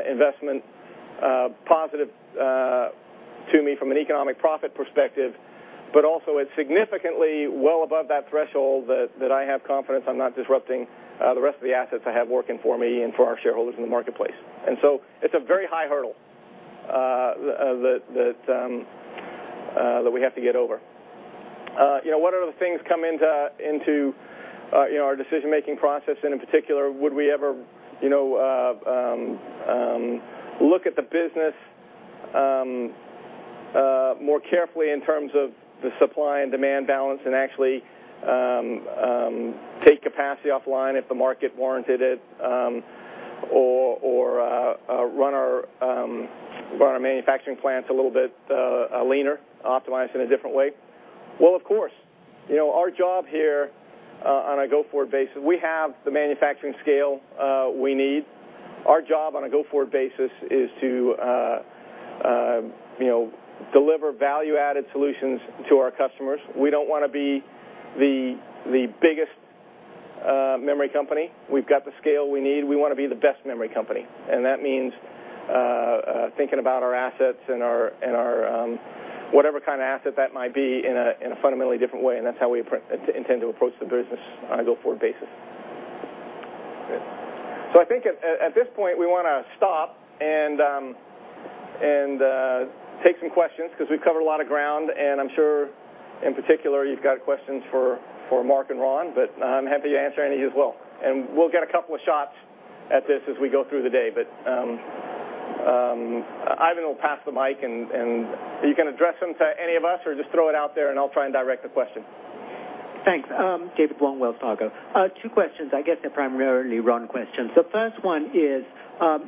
investment positive to me from an economic profit perspective, but also it's significantly well above that threshold that I have confidence I'm not disrupting the rest of the assets I have working for me and for our shareholders in the marketplace. It's a very high hurdle that we have to get over. What other things come into our decision-making process, and in particular, would we ever look at the business more carefully in terms of the supply and demand balance and actually take capacity offline if the market warranted it, or run our manufacturing plants a little bit leaner, optimize in a different way? Well, of course. Our job here on a go-forward basis, we have the manufacturing scale we need. Our job on a go-forward basis is to deliver value-added solutions to our customers. We don't want to be the biggest memory company. We've got the scale we need. We want to be the best memory company, and that means thinking about our assets and our whatever kind of asset that might be in a fundamentally different way, and that's how we intend to approach the business on a go-forward basis. Good. I think at this point, we want to stop and take some questions because we've covered a lot of ground, and I'm sure in particular, you've got questions for Mark and Ron, but I'm happy to answer any as well. We'll get a couple of shots at this as we go through the day. Ivan will pass the mic, and you can address them to any of us or just throw it out there, and I'll try and direct the question. Thanks. David Wong, Wells Fargo. Two questions. I guess they're primarily Ron questions. The first one is,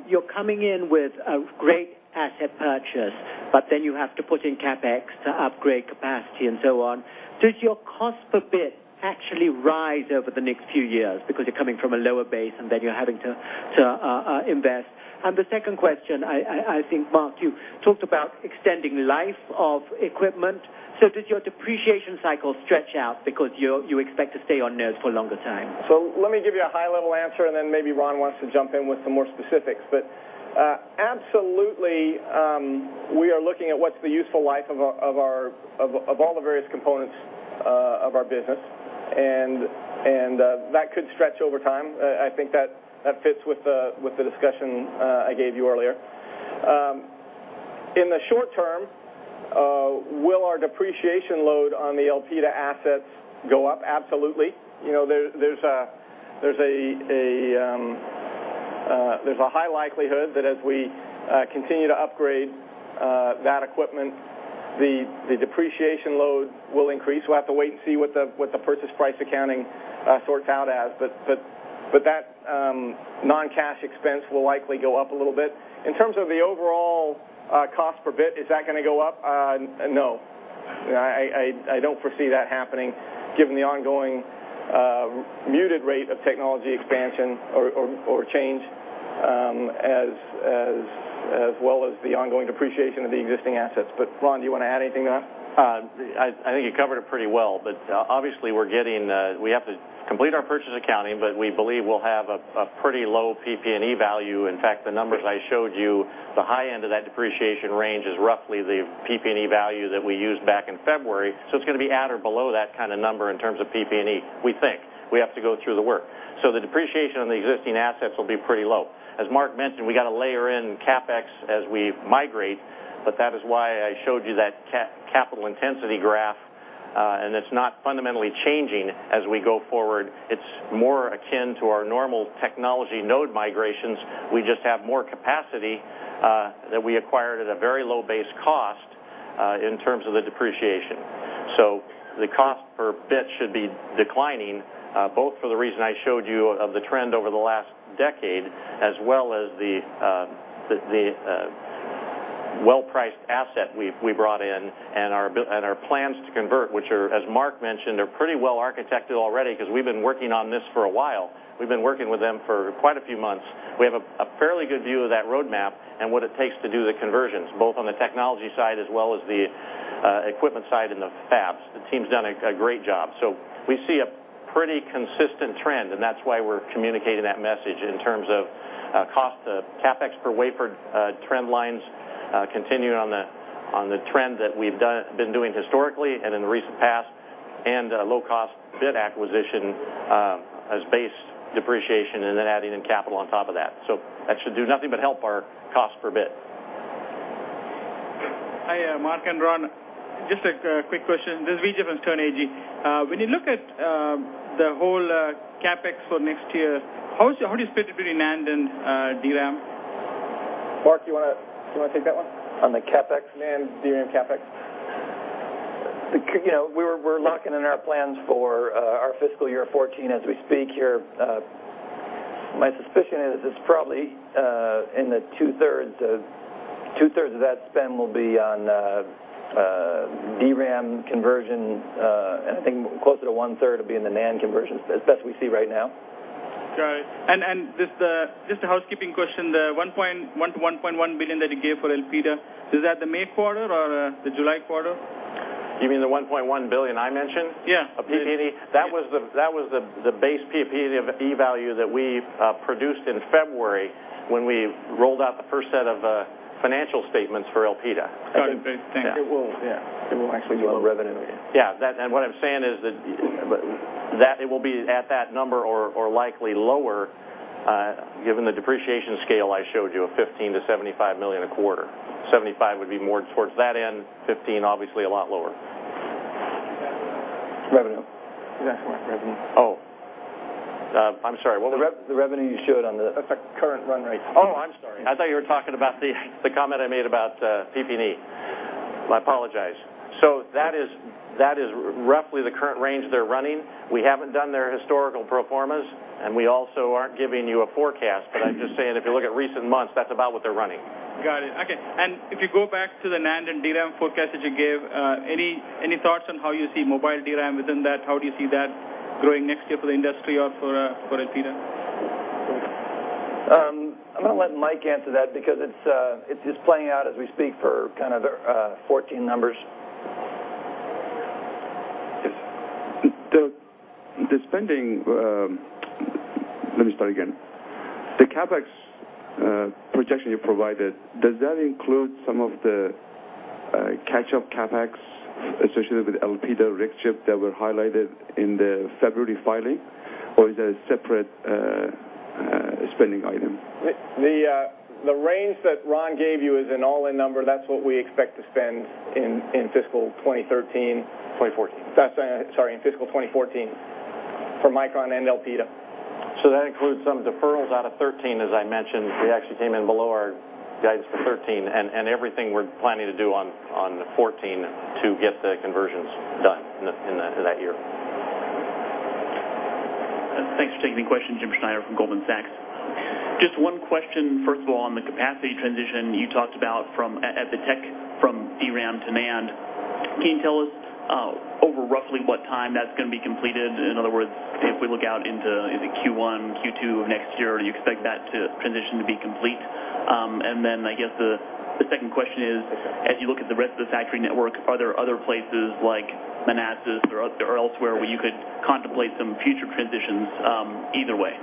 you're coming in with a great asset purchase, but then you have to put in CapEx to upgrade capacity and so on. Does your cost per bit actually rise over the next few years because you're coming from a lower base and then you're having to invest? The second question, I think, Mark, you talked about extending life of equipment. Does your depreciation cycle stretch out because you expect to stay on node for a longer time? Let me give you a high-level answer, maybe Ron wants to jump in with some more specifics. Absolutely, we are looking at what's the useful life of all the various components of our business, and that could stretch over time. I think that fits with the discussion I gave you earlier. In the short term, will our depreciation load on the Elpida assets go up? Absolutely. There's a high likelihood that as we continue to upgrade that equipment, the depreciation load will increase. We'll have to wait and see what the purchase price accounting sorts out as, but that non-cash expense will likely go up a little bit. In terms of the overall cost per bit, is that going to go up? No. I don't foresee that happening given the ongoing muted rate of technology expansion or change as well as the ongoing depreciation of the existing assets. Ron, do you want to add anything to that? I think you covered it pretty well, obviously we have to complete our purchase accounting, we believe we'll have a pretty low PP&E value. In fact, the numbers I showed you, the high end of that depreciation range is roughly the PP&E value that we used back in February. It's going to be at or below that kind of number in terms of PP&E, we think. We have to go through the work. The depreciation on the existing assets will be pretty low. As Mark mentioned, we got to layer in CapEx as we migrate, that is why I showed you that capital intensity graph, and it's not fundamentally changing as we go forward. It's more akin to our normal technology node migrations. We just have more capacity that we acquired at a very low base cost in terms of the depreciation. The cost per bit should be declining, both for the reason I showed you of the trend over the last decade as well as the well-priced asset we brought in and our plans to convert, which are, as Mark mentioned, are pretty well architected already because we've been working on this for a while. We've been working with them for quite a few months. We have a fairly good view of that roadmap and what it takes to do the conversions, both on the technology side as well as the equipment side and the fabs. The team's done a great job. We see a pretty consistent trend, and that's why we're communicating that message in terms of cost of CapEx per wafer trend lines continuing on the trend that we've been doing historically and in the recent past, and low-cost bit acquisition as base depreciation, and then adding in capital on top of that. That should do nothing but help our cost per bit. Hi, Mark and Ron. Just a quick question. This is VJ from Sterne Agee. When you look at the whole CapEx for next year, how do you split it between NAND and DRAM? Mark, do you want to take that one? On the CapEx? NAND, DRAM CapEx. We're locking in our plans for our fiscal year 2014 as we speak here. My suspicion is it's probably in the two-thirds of that spend will be on DRAM conversion, I think closer to one-third will be in the NAND conversion, as best we see right now. Got it. Just a housekeeping question, the $1.1 billion that you gave for Elpida, is that the May quarter or the July quarter? You mean the $1.1 billion I mentioned? Yeah. Of PP&E? That was the base PP&E value that we produced in February when we rolled out the first set of financial statements for Elpida. Got it. Thanks. It will, yeah. It will actually be lower revenue. What I'm saying is that it will be at that number or likely lower, given the depreciation scale I showed you of $15 million-$75 million a quarter. 75 would be more towards that end, 15, obviously, a lot lower. Revenue. He's asking about revenue. Oh. I'm sorry. What was that? The revenue you showed. That's our current run rate. Oh, I'm sorry. I thought you were talking about the comment I made about PP&E. I apologize. That is roughly the current range they're running. We haven't done their historical pro formas, and we also aren't giving you a forecast. I'm just saying, if you look at recent months, that's about what they're running. Got it. Okay. If you go back to the NAND and DRAM forecast that you gave, any thoughts on how you see mobile DRAM within that? How do you see that growing next year for the industry or for Elpida? I'm going to let Mike answer that because it's playing out as we speak for kind of our 2014 numbers. Let me start again. The CapEx projection you provided, does that include some of the catch-up CapEx associated with Elpida Rexchip that were highlighted in the February filing, or is that a separate spending item? The range that Ron gave you is an all-in number. That's what we expect to spend in fiscal 2013. 2014. Sorry, in fiscal 2014 for Micron and Elpida. That includes some deferrals out of 2013, as I mentioned. We actually came in below our guidance for 2013, and everything we're planning to do on 2014 to get the conversions done in that year. Thanks for taking the question. James Schneider from Goldman Sachs. Just one question, first of all, on the capacity transition you talked about at the tech from DRAM to NAND. Can you tell us over roughly what time that's going to be completed? In other words, if we look out into, is it Q1, Q2 of next year, do you expect that transition to be complete? I guess the second question is, as you look at the rest of the factory network, are there other places like Manassas or elsewhere where you could contemplate some future transitions either way?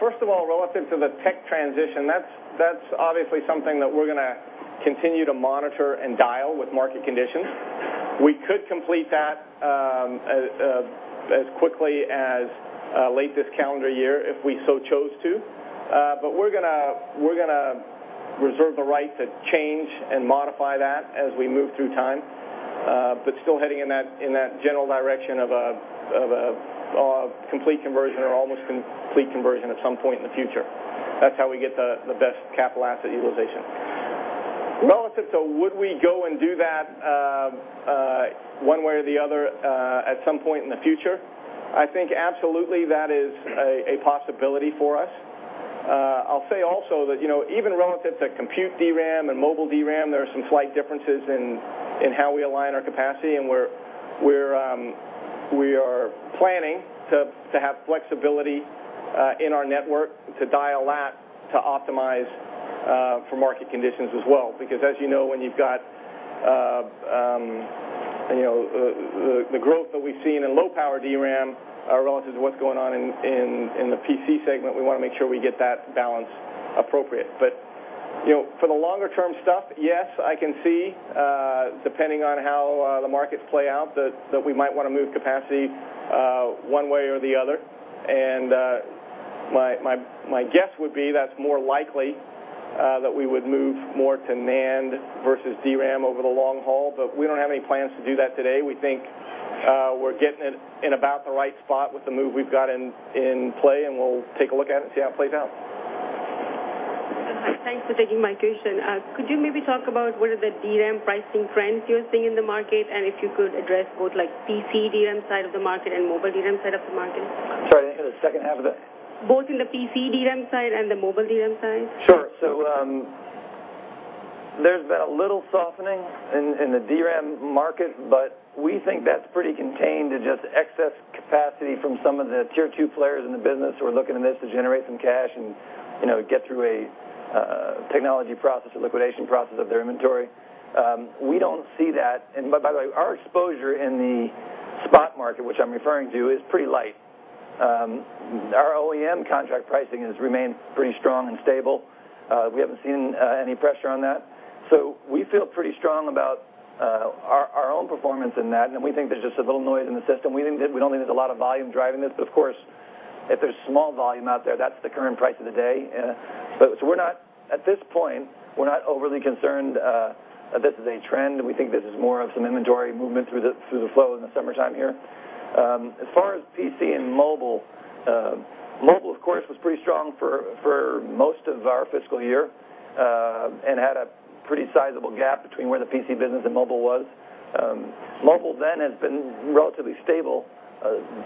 First of all, relative to the tech transition, that's obviously something that we're going to continue to monitor and dial with market conditions. We could complete that as quickly as late this calendar year if we so chose to. We're going to reserve the right to change and modify that as we move through time. Still heading in that general direction of a complete conversion or almost complete conversion at some point in the future. That's how we get the best capital asset utilization. Relative to would we go and do that one way or the other at some point in the future, I think absolutely that is a possibility for us. I'll say also that even relative to compute DRAM and mobile DRAM, there are some slight differences in how we align our capacity, and we are planning to have flexibility in our network to dial that to optimize for market conditions as well. Because as you know, when you've got the growth that we've seen in low-power DRAM relative to what's going on in the PC segment, we want to make sure we get that balance appropriate. For the longer-term stuff, yes, I can see, depending on how the markets play out, that we might want to move capacity one way or the other. My guess would be that's more likely that we would move more to NAND versus DRAM over the long haul, but we don't have any plans to do that today. We think we're getting it in about the right spot with the move we've got in play, and we'll take a look at it and see how it plays out. Thanks for taking my question. Could you maybe talk about what are the DRAM pricing trends you're seeing in the market, and if you could address both PC DRAM side of the market and mobile DRAM side of the market? Sorry, I didn't hear the second half of that. Both in the PC DRAM side and the mobile DRAM side. Sure. There's been a little softening in the DRAM market, but we think that's pretty contained to just excess capacity from some of the tier 2 players in the business who are looking to this to generate some cash and get through a technology process, a liquidation process of their inventory. We don't see that. By the way, our exposure in the spot market, which I'm referring to, is pretty light. Our OEM contract pricing has remained pretty strong and stable. We haven't seen any pressure on that. We feel pretty strong about our own performance in that, and we think there's just a little noise in the system. We don't think there's a lot of volume driving this, but of course, if there's small volume out there, that's the current price of the day. At this point, we're not overly concerned that this is a trend. We think this is more of some inventory movement through the flow in the summertime here. As far as PC and mobile, of course, was pretty strong for most of our fiscal year and had a pretty sizable gap between where the PC business and mobile was. Mobile has been relatively stable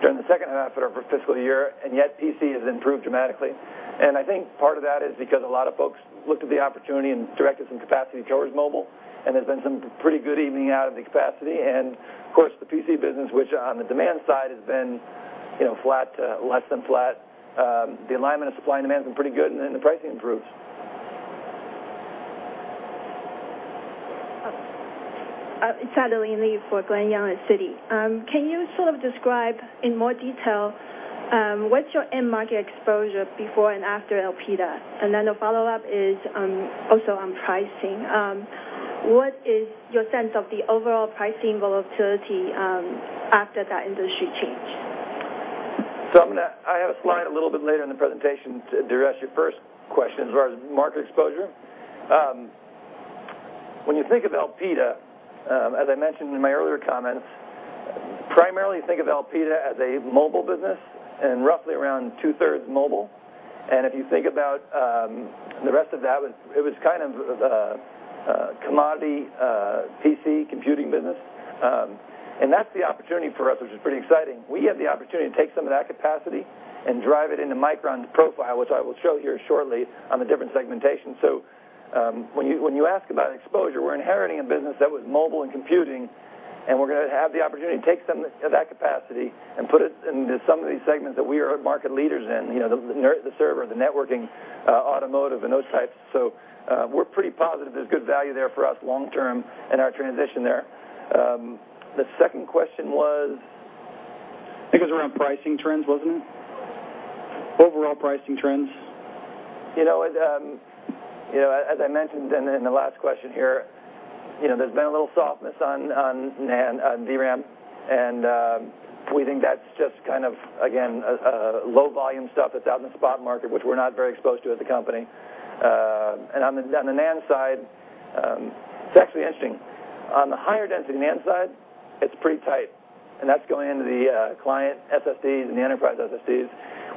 during the second half of our fiscal year, yet PC has improved dramatically. I think part of that is because a lot of folks looked at the opportunity and directed some capacity towards mobile, and there's been some pretty good evening out of the capacity. Of course, the PC business, which on the demand side has been flat to less than flat, the alignment of supply and demand has been pretty good, the pricing improves. It's Eileen Li for Glen Yeung at Citi. Can you sort of describe in more detail what's your end market exposure before and after Elpida? The follow-up is also on pricing. What is your sense of the overall pricing volatility after that industry change? I have a slide a little bit later in the presentation to address your first question, as far as market exposure. When you think of Elpida, as I mentioned in my earlier comments, primarily think of Elpida as a mobile business and roughly around two-thirds mobile. If you think about the rest of that, it was kind of a commodity PC computing business. That's the opportunity for us, which is pretty exciting. We have the opportunity to take some of that capacity and drive it into Micron's profile, which I will show here shortly on the different segmentation. When you ask about exposure, we're inheriting a business that was mobile and computing, we're going to have the opportunity to take some of that capacity and put it into some of these segments that we are market leaders in, the server, the networking, automotive, and those types. We're pretty positive there's good value there for us long-term in our transition there. The second question was, I think it was around pricing trends, wasn't it? Overall pricing trends. As I mentioned in the last question here, there's been a little softness on NAND, on DRAM, we think that's just kind of, again, low volume stuff that's out in the spot market, which we're not very exposed to as a company. On the NAND side, it's actually interesting. On the higher density NAND side, it's pretty tight, that's going into the client SSDs and the enterprise SSDs.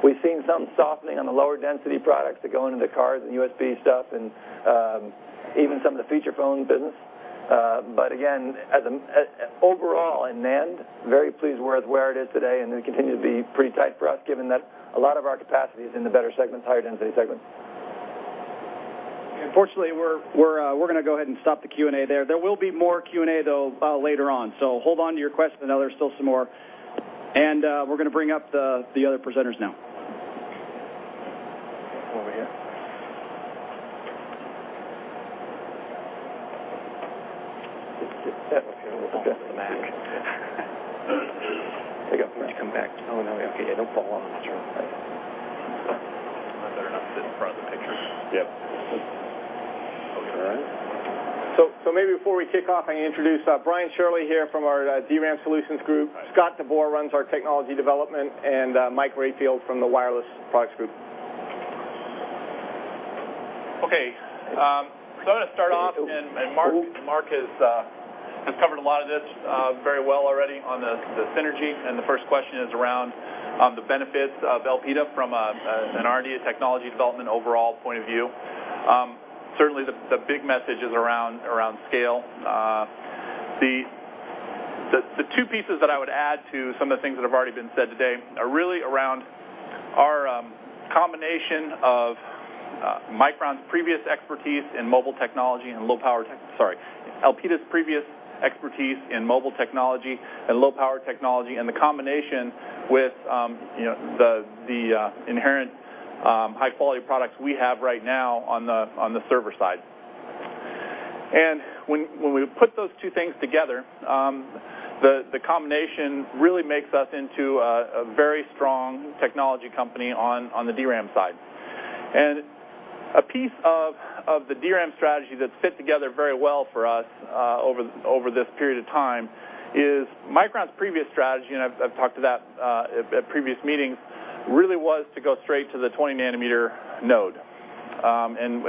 We've seen some softening on the lower density products that go into the cars and USB stuff and even some of the feature phone business. Again, overall in NAND, very pleased with where it is today, it'll continue to be pretty tight for us, given that a lot of our capacity is in the better segments, higher density segments. Unfortunately, we're going to go ahead and stop the Q&A there. There will be more Q&A, though, later on. Hold on to your questions. I know there's still some more. We're going to bring up the other presenters now. Over here. We'll go with the Mac. I got to come back. Oh, now we don't fall off when I turn. I better not sit in front of the picture. Yep. All right. Maybe before we kick off, I can introduce Brian Shirley here from our DRAM Solutions Group. Scott DeBoer runs our technology development, and Michael Rayfield from the Wireless Solutions Group. I'm going to start off. Mark has covered a lot of this very well already on the synergy. The first question is around the benefits of Elpida from an R&D technology development overall point of view. Certainly, the big message is around scale. The two pieces that I would add to some of the things that have already been said today are really around our combination of Micron's previous expertise in mobile technology, Elpida's previous expertise in mobile technology and low-power technology, and the combination with the inherent high-quality products we have right now on the server side. When we put those two things together, the combination really makes us into a very strong technology company on the DRAM side. A piece of the DRAM strategy that's fit together very well for us over this period of time is Micron's previous strategy, I've talked to that at previous meetings, really was to go straight to the 20-nanometer node.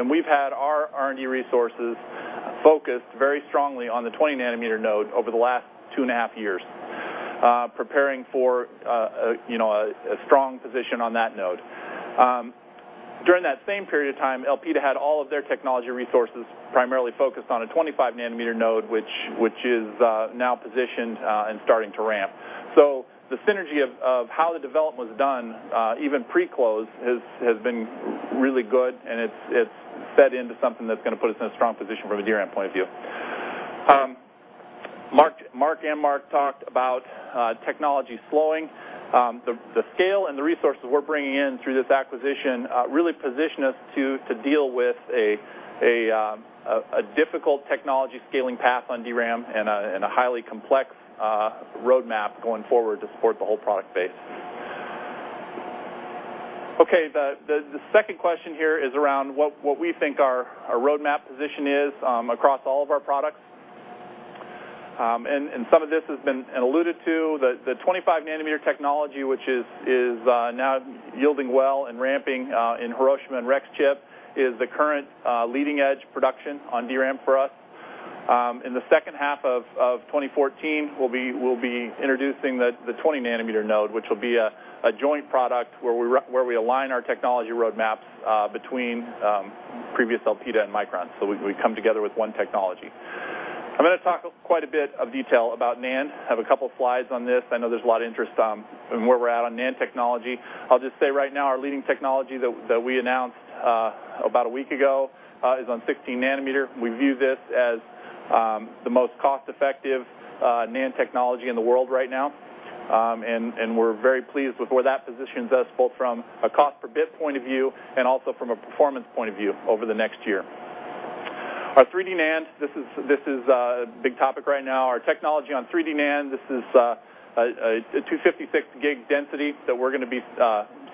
We've had our R&D resources focused very strongly on the 20-nanometer node over the last two and a half years, preparing for a strong position on that node. During that same period of time, Elpida had all of their technology resources primarily focused on a 25-nanometer node, which is now positioned and starting to ramp. The synergy of how the development was done, even pre-close, has been really good and it's fed into something that's going to put us in a strong position from a DRAM point of view. Mark and Mark talked about technology slowing. The scale and the resources we're bringing in through this acquisition really position us to deal with a difficult technology scaling path on DRAM and a highly complex roadmap going forward to support the whole product base. Okay. The second question here is around what we think our roadmap position is across all of our products. Some of this has been alluded to. The 25-nanometer technology, which is now yielding well and ramping in Hiroshima and Rexchip, is the current leading-edge production on DRAM for us. In the second half of 2014, we'll be introducing the 20-nanometer node, which will be a joint product where we align our technology roadmaps between previous Elpida and Micron. We come together with one technology. I'm going to talk quite a bit of detail about NAND. I have a couple slides on this. I know there's a lot of interest in where we're at on NAND technology. I'll just say right now, our leading technology that we announced about a week ago is on 16-nanometer. We view this as the most cost-effective NAND technology in the world right now. We're very pleased with where that positions us, both from a cost per bit point of view, and also from a performance point of view over the next year. Our 3D NAND, this is a big topic right now. Our technology on 3D NAND, this is a 256-gigabit density that we're going to be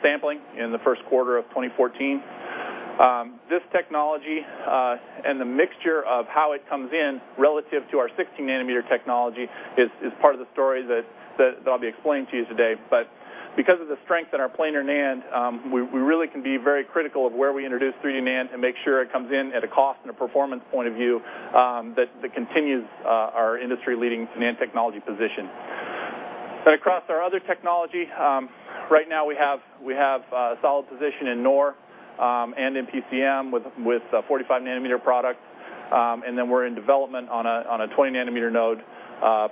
sampling in the first quarter of 2014. This technology, and the mixture of how it comes in relative to our 16-nanometer technology, is part of the story that I'll be explaining to you today. Because of the strength in our planar NAND, we really can be very critical of where we introduce 3D NAND and make sure it comes in at a cost and a performance point of view that continues our industry-leading NAND technology position. Across our other technology, right now we have a solid position in NOR and in PCM with a 45 nm product. We're in development on a 20-nanometer node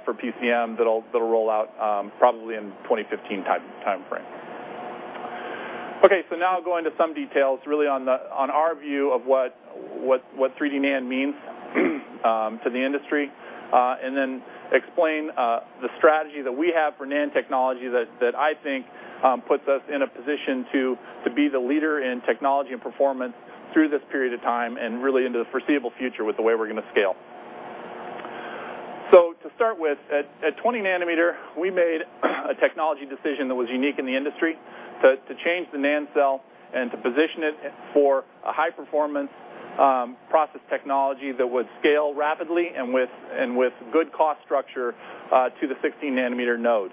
for PCM that'll roll out probably in 2015 timeframe. Okay. Now I'll go into some details really on our view of what 3D NAND means to the industry. Explain the strategy that we have for NAND technology that I think puts us in a position to be the leader in technology and performance through this period of time, really into the foreseeable future with the way we're going to scale. To start with, at 20-nanometer, we made a technology decision that was unique in the industry to change the NAND cell and to position it for a high-performance process technology that would scale rapidly, and with good cost structure to the 16-nanometer node.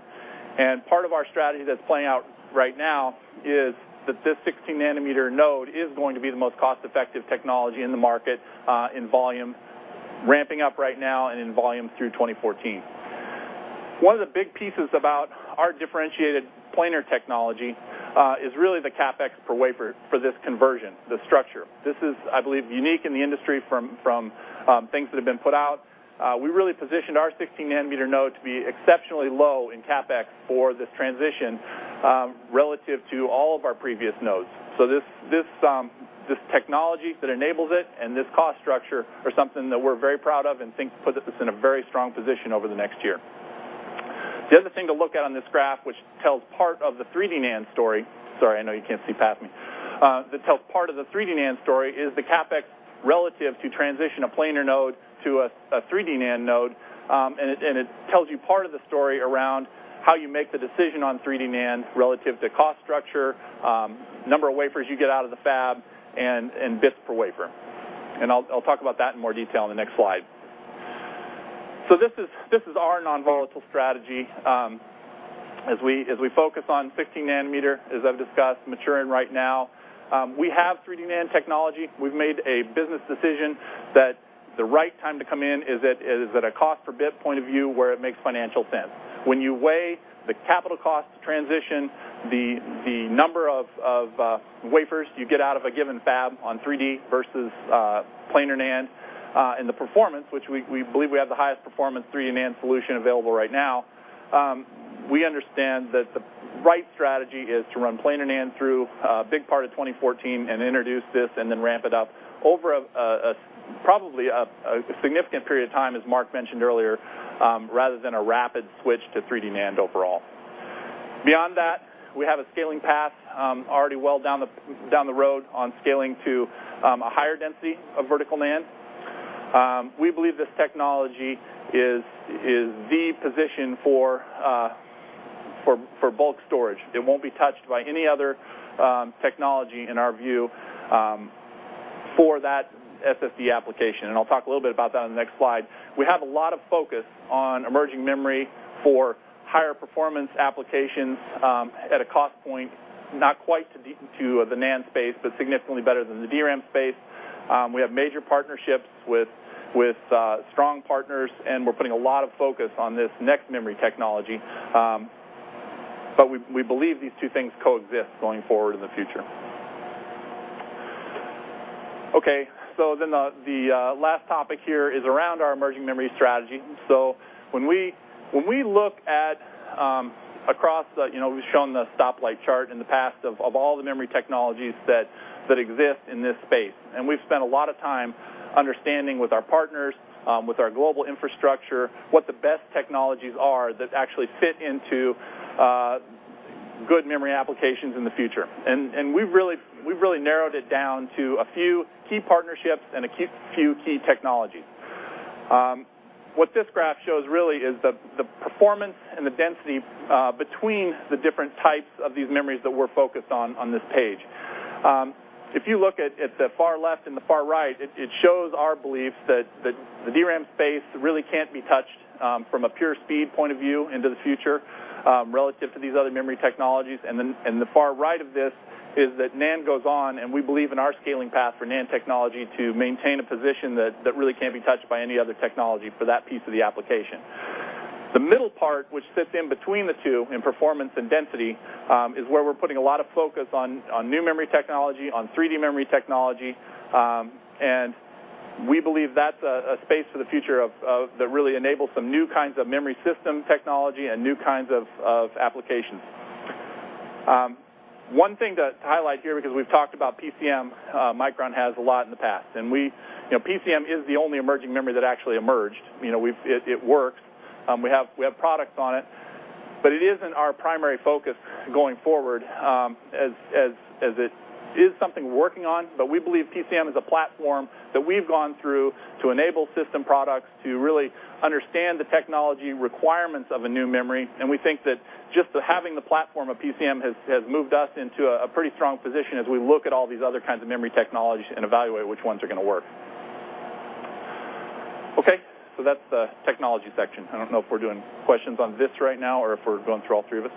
Part of our strategy that's playing out right now is that this 16-nanometer node is going to be the most cost-effective technology in the market, in volume ramping up right now, and in volume through 2014. One of the big pieces about our differentiated planar technology is really the CapEx per wafer for this conversion, this structure. This is, I believe, unique in the industry from things that have been put out. We really positioned our 16-nanometer node to be exceptionally low in CapEx for this transition relative to all of our previous nodes. This technology that enables it and this cost structure are something that we're very proud of, and think puts us in a very strong position over the next year. The other thing to look at on this graph, which tells part of the 3D NAND story, is the CapEx relative to transition a planar node to a 3D NAND node, and it tells you part of the story around how you make the decision on 3D NAND relative to cost structure, number of wafers you get out of the fab, and bits per wafer. I'll talk about that in more detail in the next slide. This is our non-volatile strategy. As we focus on 16-nanometer, as I've discussed, maturing right now. We have 3D NAND technology. We've made a business decision that the right time to come in is at a cost per bit point of view where it makes financial sense. When you weigh the capital cost to transition the number of wafers you get out of a given fab on 3D versus planar NAND, and the performance, which we believe we have the highest performance 3D NAND solution available right now. We understand that the right strategy is to run planar NAND through a big part of 2014 and introduce this, and then ramp it up over probably a significant period of time, as Mark mentioned earlier, rather than a rapid switch to 3D NAND overall. Beyond that, we have a scaling path already well down the road on scaling to a higher density of vertical NAND. We believe this technology is the position for bulk storage. It won't be touched by any other technology, in our view, for that SSD application. I'll talk a little bit about that on the next slide. We have a lot of focus on emerging memory for higher performance applications at a cost point, not quite to the NAND space, but significantly better than the DRAM space. We have major partnerships with strong partners, and we're putting a lot of focus on this next memory technology. We believe these two things coexist going forward in the future. Okay. The last topic here is around our emerging memory strategy. We've shown the stoplight chart in the past of all the memory technologies that exist in this space. We've spent a lot of time understanding with our partners, with our global infrastructure, what the best technologies are that actually fit into good memory applications in the future. We've really narrowed it down to a few key partnerships and a few key technologies. What this graph shows really is the performance and the density between the different types of these memories that we're focused on this page. If you look at the far left and the far right, it shows our belief that the DRAM space really can't be touched from a pure speed point of view into the future relative to these other memory technologies. The far right of this is that NAND goes on, and we believe in our scaling path for NAND technology to maintain a position that really can't be touched by any other technology for that piece of the application. The middle part, which sits in between the two in performance and density, is where we're putting a lot of focus on new memory technology, on 3D memory technology. We believe that's a space for the future that really enables some new kinds of memory system technology and new kinds of applications. One thing to highlight here, because we've talked about PCM, Micron has a lot in the past. PCM is the only emerging memory that actually emerged. It works. We have products on it, but it isn't our primary focus going forward, as it is something we're working on. We believe PCM is a platform that we've gone through to enable system products to really understand the technology requirements of a new memory, and we think that just having the platform of PCM has moved us into a pretty strong position as we look at all these other kinds of memory technologies and evaluate which ones are going to work. That's the technology section. I don't know if we're doing questions on this right now or if we're going through all three of us.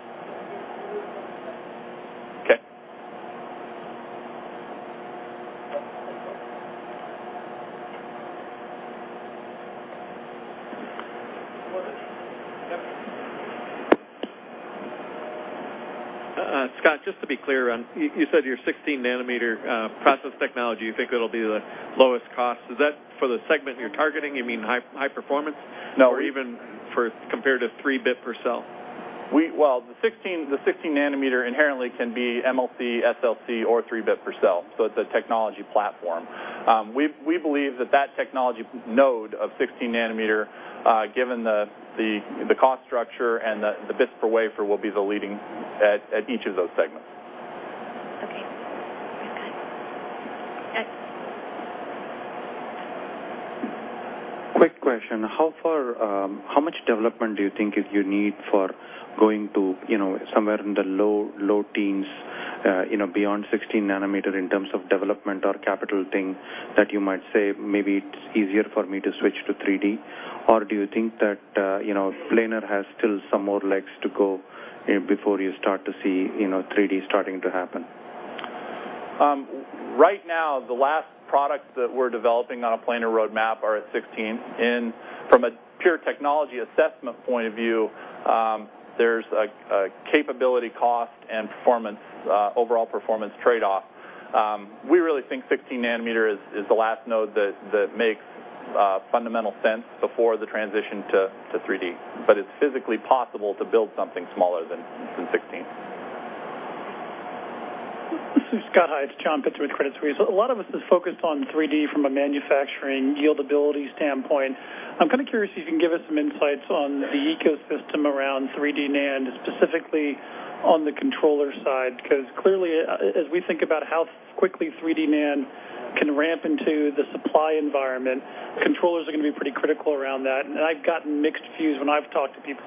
Okay. Scott, just to be clear, you said your 16-nanometer process technology, you think it'll be the lowest cost. Is that for the segment you're targeting, you mean high performance? No. Even compared to three bit per cell? Well, the 16-nanometer inherently can be MLC, SLC, or three bit per cell, so it's a technology platform. We believe that technology node of 16-nanometer, given the cost structure and the bits per wafer, will be the leading at each of those segments. Okay. Thanks, Scott. Ed? Quick question, how much development do you think you need for going to somewhere in the low teens, beyond 16-nanometer, in terms of development or capital thing, that you might say, "Maybe it's easier for me to switch to 3D?" Do you think that planar has still some more legs to go before you start to see 3D starting to happen? Right now, the last products that we're developing on a planar roadmap are at 16, and from a pure technology assessment point of view, there's a capability cost and overall performance trade-off. We really think 16-nanometer is the last node that makes fundamental sense before the transition to 3D, but it's physically possible to build something smaller than 16. This is Scott. Hi, it's John Pitzer with Credit Suisse. A lot of us is focused on 3D from a manufacturing yield ability standpoint. I'm kind of curious if you can give us some insights on the ecosystem around 3D NAND, specifically on the controller side, because clearly, as we think about how quickly 3D NAND can ramp into the supply environment, controllers are going to be pretty critical around that, and I've gotten mixed views when I've talked to people.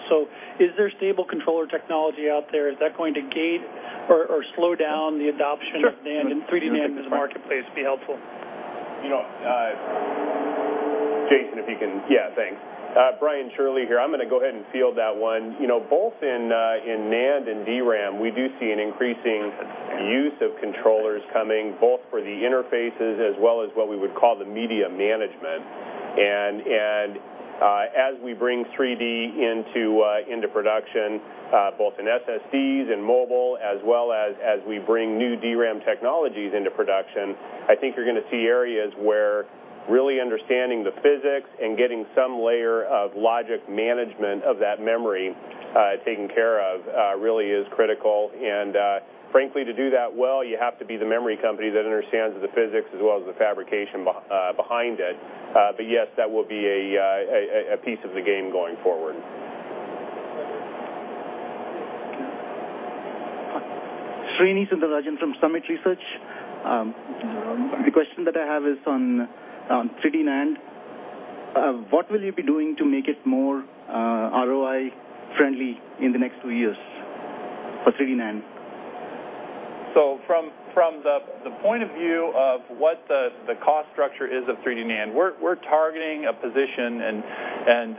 Is there stable controller technology out there? Is that going to gate or slow down the adoption- Sure of NAND and 3D NAND in this marketplace, be helpful. Brian, if you can. Yeah, thanks. Brian Shirley here. I'm going to go ahead and field that one. Both in NAND and DRAM, we do see an increasing use of controllers coming, both for the interfaces as well as what we would call the media management. As we bring 3D into production, both in SSDs and mobile, as well as we bring new DRAM technologies into production, I think you're going to see areas where really understanding the physics and getting some layer of logic management of that memory taken care of really is critical. Frankly, to do that well, you have to be the memory company that understands the physics as well as the fabrication behind it. Yes, that will be a piece of the game going forward. Srinivasan Sundararajan from Summit Research. The question that I have is on 3D NAND. What will you be doing to make it more ROI friendly in the next two years for 3D NAND? From the point of view of what the cost structure is of 3D NAND, we're targeting a position, and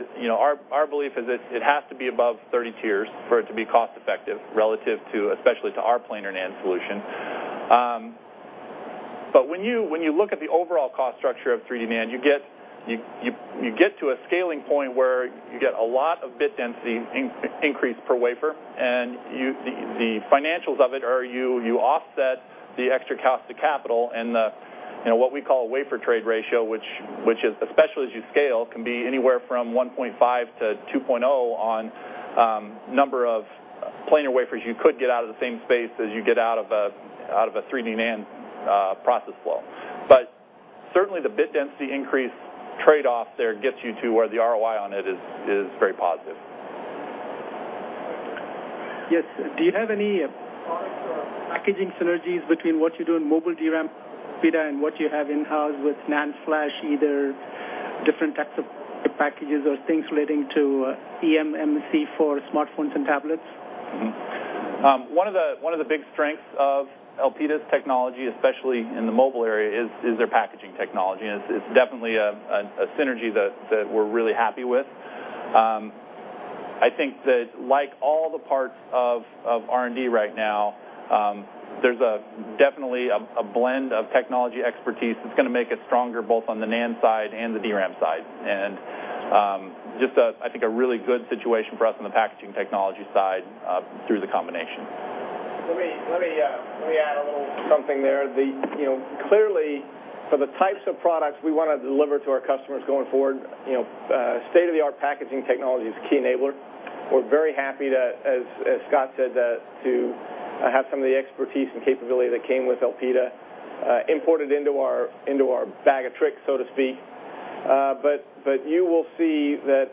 our belief is it has to be above 30 tiers for it to be cost effective relative especially to our planar NAND solution. When you look at the overall cost structure of 3D NAND, you get to a scaling point where you get a lot of bit density increase per wafer, and the financials of it are you offset the extra cost to capital and what we call wafer trade ratio, which especially as you scale, can be anywhere from 1.5-2.0 on number of planar wafers you could get out of the same space as you get out of a 3D NAND process flow. Certainly, the bit density increase trade-off there gets you to where the ROI on it is very positive. Yes. Do you have any products or packaging synergies between what you do in mobile DRAM speed and what you have in-house with NAND flash, either different types of packages or things relating to eMMC for smartphones and tablets? One of the big strengths of Elpida's technology, especially in the mobile area, is their packaging technology, and it's definitely a synergy that we're really happy with. I think that like all the parts of R&D right now, there's definitely a blend of technology expertise that's going to make us stronger both on the NAND side and the DRAM side. Just, I think, a really good situation for us on the packaging technology side through the combination. Let me add a little bit. Something there. Clearly, for the types of products we want to deliver to our customers going forward, state-of-the-art packaging technology is a key enabler. We're very happy that, as Scott said, to have some of the expertise and capability that came with Elpida imported into our bag of tricks, so to speak. You will see that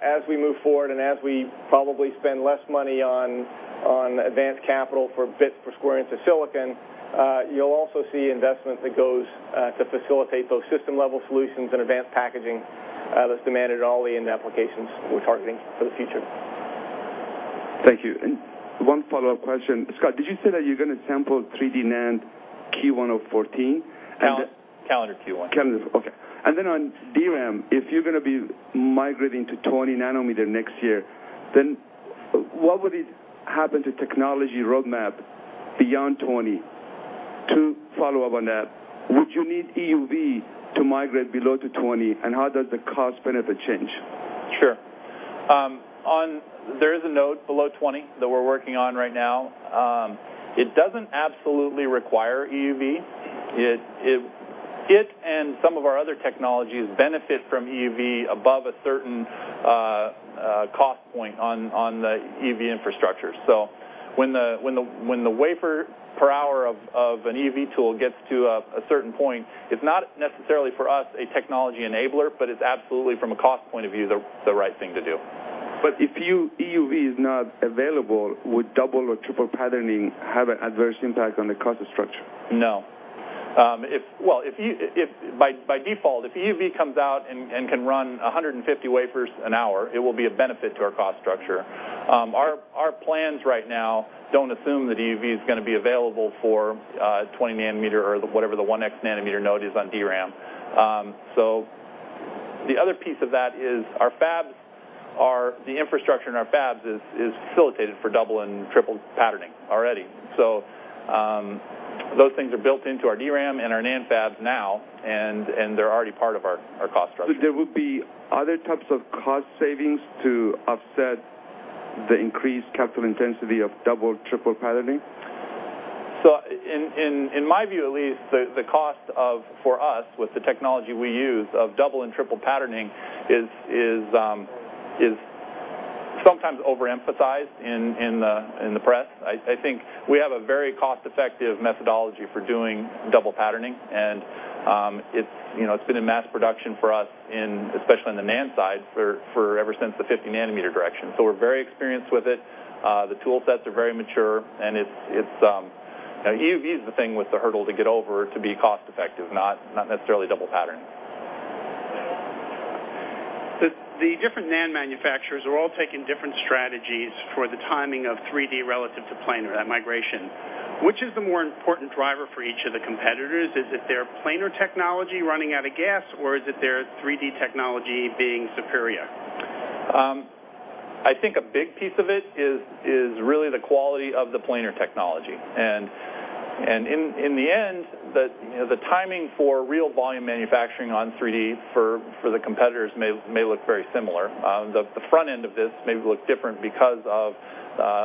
as we move forward and as we probably spend less money on advanced capital for bit, for square inch of silicon, you'll also see investment that goes to facilitate those system-level solutions and advanced packaging that's demanded in all the end applications we're targeting for the future. Thank you. One follow-up question. Scott, did you say that you're going to sample 3D NAND Q1 of 2014? Calendar Q1. Then on DRAM, if you're going to be migrating to 20-nanometer next year, then what would happen to technology roadmap beyond 20? To follow up on that, would you need EUV to migrate below to 20? How does the cost benefit change? Sure. There is a node below 20 that we're working on right now. It doesn't absolutely require EUV. It and some of our other technologies benefit from EUV above a certain cost point on the EUV infrastructure. When the wafer per hour of an EUV tool gets to a certain point, it's not necessarily for us a technology enabler, but it's absolutely from a cost point of view, the right thing to do. If EUV is not available, would double or triple patterning have an adverse impact on the cost structure? No. By default, if EUV comes out and can run 150 wafers an hour, it will be a benefit to our cost structure. Our plans right now don't assume that EUV is going to be available for 20-nanometer or whatever the 1X nanometer node is on DRAM. The other piece of that is the infrastructure in our fabs is facilitated for double and triple patterning already. Those things are built into our DRAM and our NAND fabs now, and they're already part of our cost structure. There would be other types of cost savings to offset the increased capital intensity of double, triple patterning? In my view at least, the cost for us, with the technology we use of double and triple patterning, is sometimes overemphasized in the press. I think we have a very cost-effective methodology for doing double patterning, and it's been in mass production for us, especially on the NAND side, for ever since the 50 nm direction. We're very experienced with it. The tool sets are very mature, and EUV is the thing with the hurdle to get over to be cost effective, not necessarily double patterning. The different NAND manufacturers are all taking different strategies for the timing of 3D relative to planar, that migration. Which is the more important driver for each of the competitors? Is it their planar technology running out of gas, or is it their 3D technology being superior? I think a big piece of it is really the quality of the planar technology. In the end, the timing for real volume manufacturing on 3D for the competitors may look very similar. The front end of this may look different because of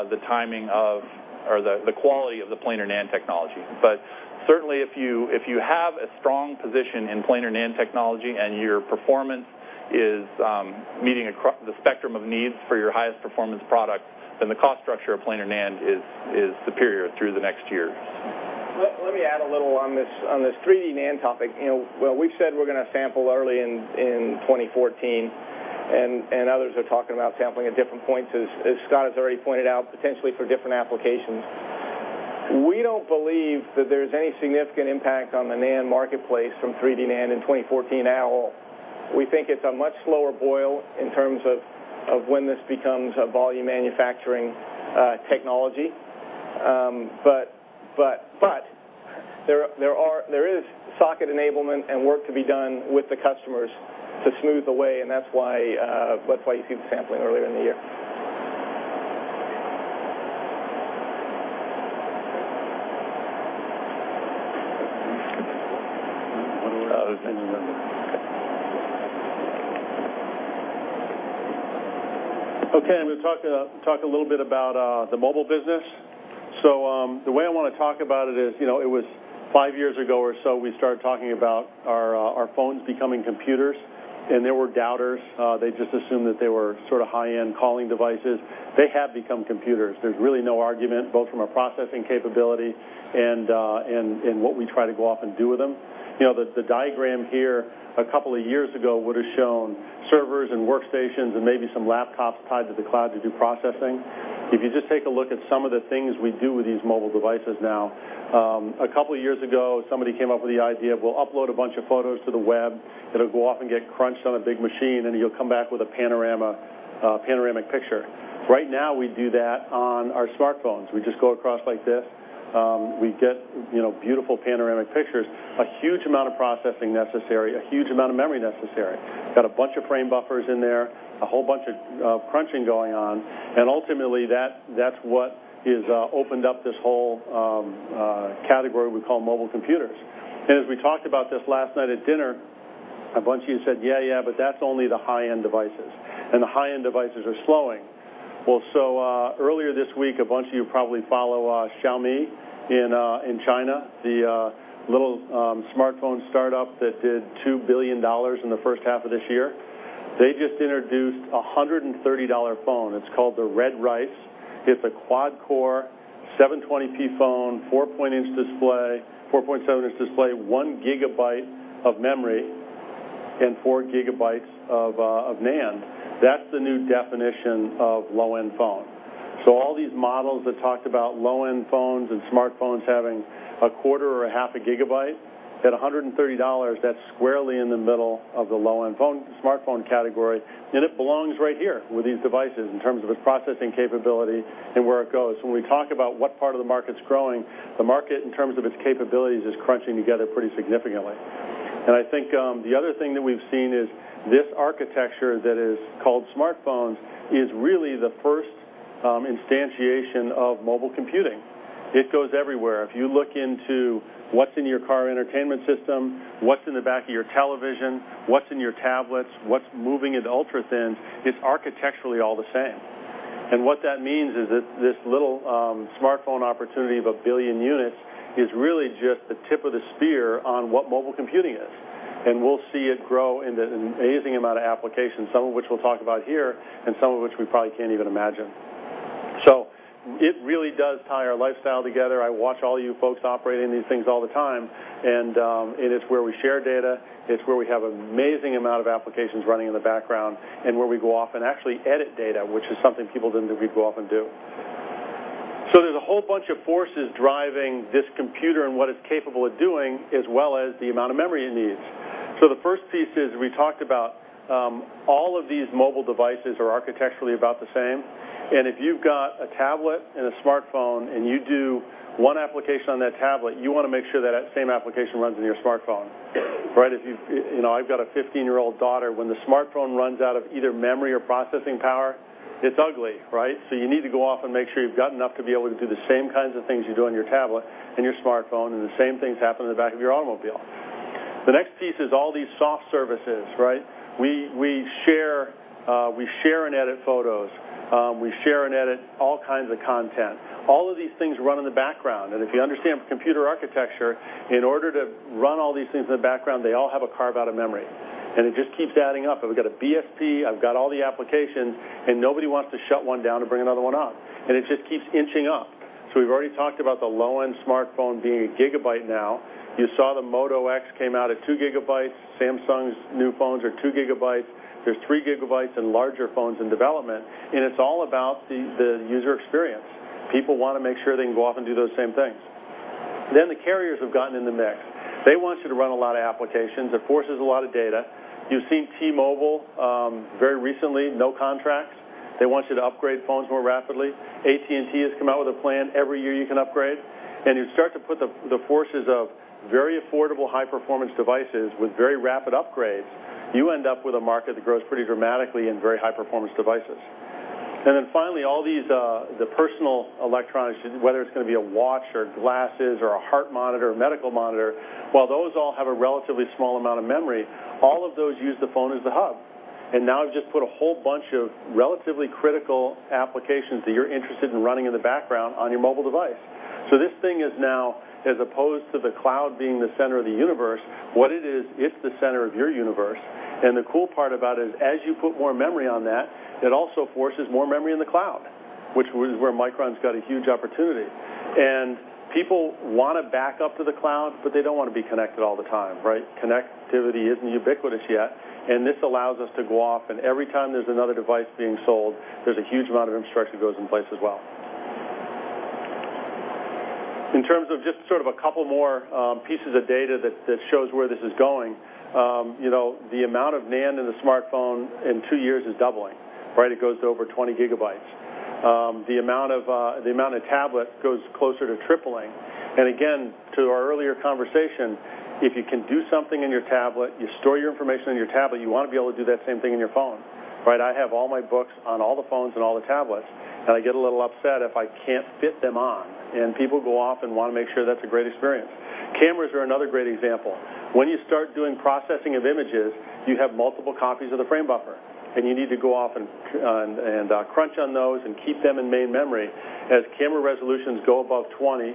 the timing of or the quality of the planar NAND technology. Certainly if you have a strong position in planar NAND technology and your performance is meeting the spectrum of needs for your highest performance product, then the cost structure of planar NAND is superior through the next years. Let me add a little on this 3D NAND topic. We've said we're going to sample early in 2014, others are talking about sampling at different points, as Scott has already pointed out, potentially for different applications. We don't believe that there's any significant impact on the NAND marketplace from 3D NAND in 2014 at all. We think it's a much slower boil in terms of when this becomes a volume manufacturing technology. There is socket enablement and work to be done with the customers to smooth the way, and that's why you see the sampling earlier in the year. Other things in there. I'm going to talk a little bit about the mobile business. The way I want to talk about it is, it was five years ago or so, we started talking about our phones becoming computers, and there were doubters. They just assumed that they were sort of high-end calling devices. They have become computers. There's really no argument, both from a processing capability and what we try to go off and do with them. The diagram here a couple of years ago would have shown servers and workstations and maybe some laptops tied to the cloud to do processing. If you just take a look at some of the things we do with these mobile devices now, a couple of years ago, somebody came up with the idea of, well, upload a bunch of photos to the web, it'll go off and get crunched on a big machine, and you'll come back with a panoramic picture. Right now, we do that on our smartphones. We just go across like this. We get beautiful panoramic pictures, a huge amount of processing necessary, a huge amount of memory necessary. Got a bunch of frame buffers in there, a whole bunch of crunching going on, ultimately, that's what has opened up this whole category we call mobile computers. As we talked about this last night at dinner, a bunch of you said, "Yeah, but that's only the high-end devices, and the high-end devices are slowing." Earlier this week, a bunch of you probably follow Xiaomi in China, the little smartphone startup that did $2 billion in the first half of this year. They just introduced a $130 phone. It's called the Redmi. It's a quad core, 720p phone, 4.7-inch display, one gigabyte of memory, and four gigabytes of NAND. That's the new definition of low-end phone. All these models that talked about low-end phones and smartphones having a quarter or a half a gigabyte, at $130, that's squarely in the middle of the low-end smartphone category, and it belongs right here with these devices in terms of its processing capability and where it goes. When we talk about what part of the market's growing, the market, in terms of its capabilities, is crunching together pretty significantly. I think the other thing that we've seen is this architecture that is called smartphones is really the first instantiation of mobile computing. It goes everywhere. If you look into what's in your car entertainment system, what's in the back of your television, what's in your tablets, what's moving into ultra-thin, it's architecturally all the same. What that means is that this little smartphone opportunity of 1 billion units is really just the tip of the spear on what mobile computing is, and we'll see it grow into an amazing amount of applications, some of which we'll talk about here, and some of which we probably can't even imagine. It really does tie our lifestyle together. I watch all you folks operating these things all the time, and it is where we share data. It's where we have an amazing amount of applications running in the background, and where we go off and actually edit data, which is something people didn't know we go off and do. There's a whole bunch of forces driving this computer and what it's capable of doing, as well as the amount of memory it needs. The first piece is we talked about all of these mobile devices are architecturally about the same, and if you've got a tablet and a smartphone and you do one application on that tablet, you want to make sure that same application runs on your smartphone. I've got a 15-year-old daughter. When the smartphone runs out of either memory or processing power, it's ugly, right? You need to go off and make sure you've got enough to be able to do the same kinds of things you do on your tablet and your smartphone, and the same things happen in the back of your automobile. The next piece is all these soft services. We share and edit photos. We share and edit all kinds of content. All of these things run in the background, and if you understand computer architecture, in order to run all these things in the background, they all have a carve-out of memory. It just keeps adding up. If I've got a BSP, I've got all the applications, and nobody wants to shut one down to bring another one up, and it just keeps inching up. We've already talked about the low-end smartphone being a gigabyte now. You saw the Moto X came out at two gigabytes. Samsung's new phones are two gigabytes. There's three gigabytes in larger phones in development, and it's all about the user experience. People want to make sure they can go off and do those same things. The carriers have gotten in the mix. They want you to run a lot of applications. It forces a lot of data. You see T-Mobile very recently, no contracts. They want you to upgrade phones more rapidly. AT&T has come out with a plan every year you can upgrade. You start to put the forces of very affordable, high-performance devices with very rapid upgrades, you end up with a market that grows pretty dramatically in very high-performance devices. Finally, all these personal electronics, whether it is going to be a watch or glasses or a heart monitor or medical monitor, while those all have a relatively small amount of memory, all of those use the phone as the hub. Now I have just put a whole bunch of relatively critical applications that you are interested in running in the background on your mobile device. This thing is now, as opposed to the cloud being the center of the universe, what it is, it is the center of your universe. The cool part about it is as you put more memory on that, it also forces more memory in the cloud, which is where Micron's got a huge opportunity. People want to back up to the cloud, but they do not want to be connected all the time. Connectivity is not ubiquitous yet. This allows us to go off and every time there is another device being sold, there is a huge amount of infrastructure that goes in place as well. In terms of just sort of a couple more pieces of data that shows where this is going, the amount of NAND in the smartphone in two years is doubling. It goes to over 20 gigabytes. The amount of tablet goes closer to tripling. Again, to our earlier conversation, if you can do something in your tablet, you store your information in your tablet, you want to be able to do that same thing in your phone. I have all my books on all the phones and all the tablets. I get a little upset if I cannot fit them on. People go off and want to make sure that is a great experience. Cameras are another great example. When you start doing processing of images, you have multiple copies of the frame buffer. You need to go off and crunch on those and keep them in main memory. As camera resolutions go above 20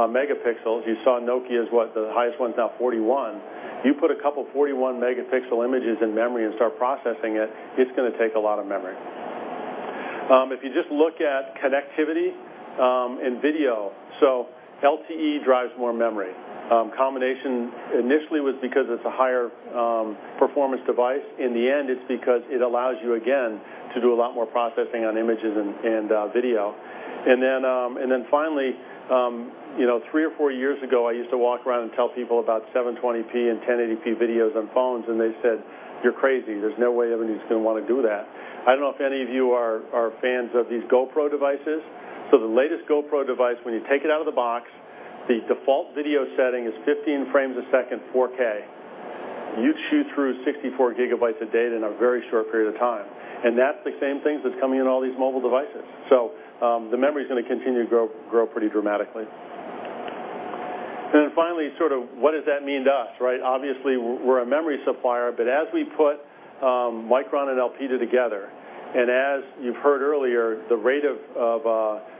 megapixels, you saw Nokia's what, the highest one is now 41. You put a couple 41-megapixel images in memory and start processing it is going to take a lot of memory. If you just look at connectivity and video, LTE drives more memory. Combination initially was because it is a higher performance device. In the end, it is because it allows you, again, to do a lot more processing on images and video. Finally, three or four years ago, I used to walk around and tell people about 720p and 1080p videos on phones. They said, "You are crazy. There is no way everybody is going to want to do that." I do not know if any of you are fans of these GoPro devices. The latest GoPro device, when you take it out of the box, the default video setting is 15 frames a second, 4K. You shoot through 64 gigabytes of data in a very short period of time. That is the same things that is coming in all these mobile devices. The memory is going to continue to grow pretty dramatically. Finally, what does that mean to us? Obviously, we're a memory supplier, but as we put Micron and Elpida together, and as you've heard earlier, the rate of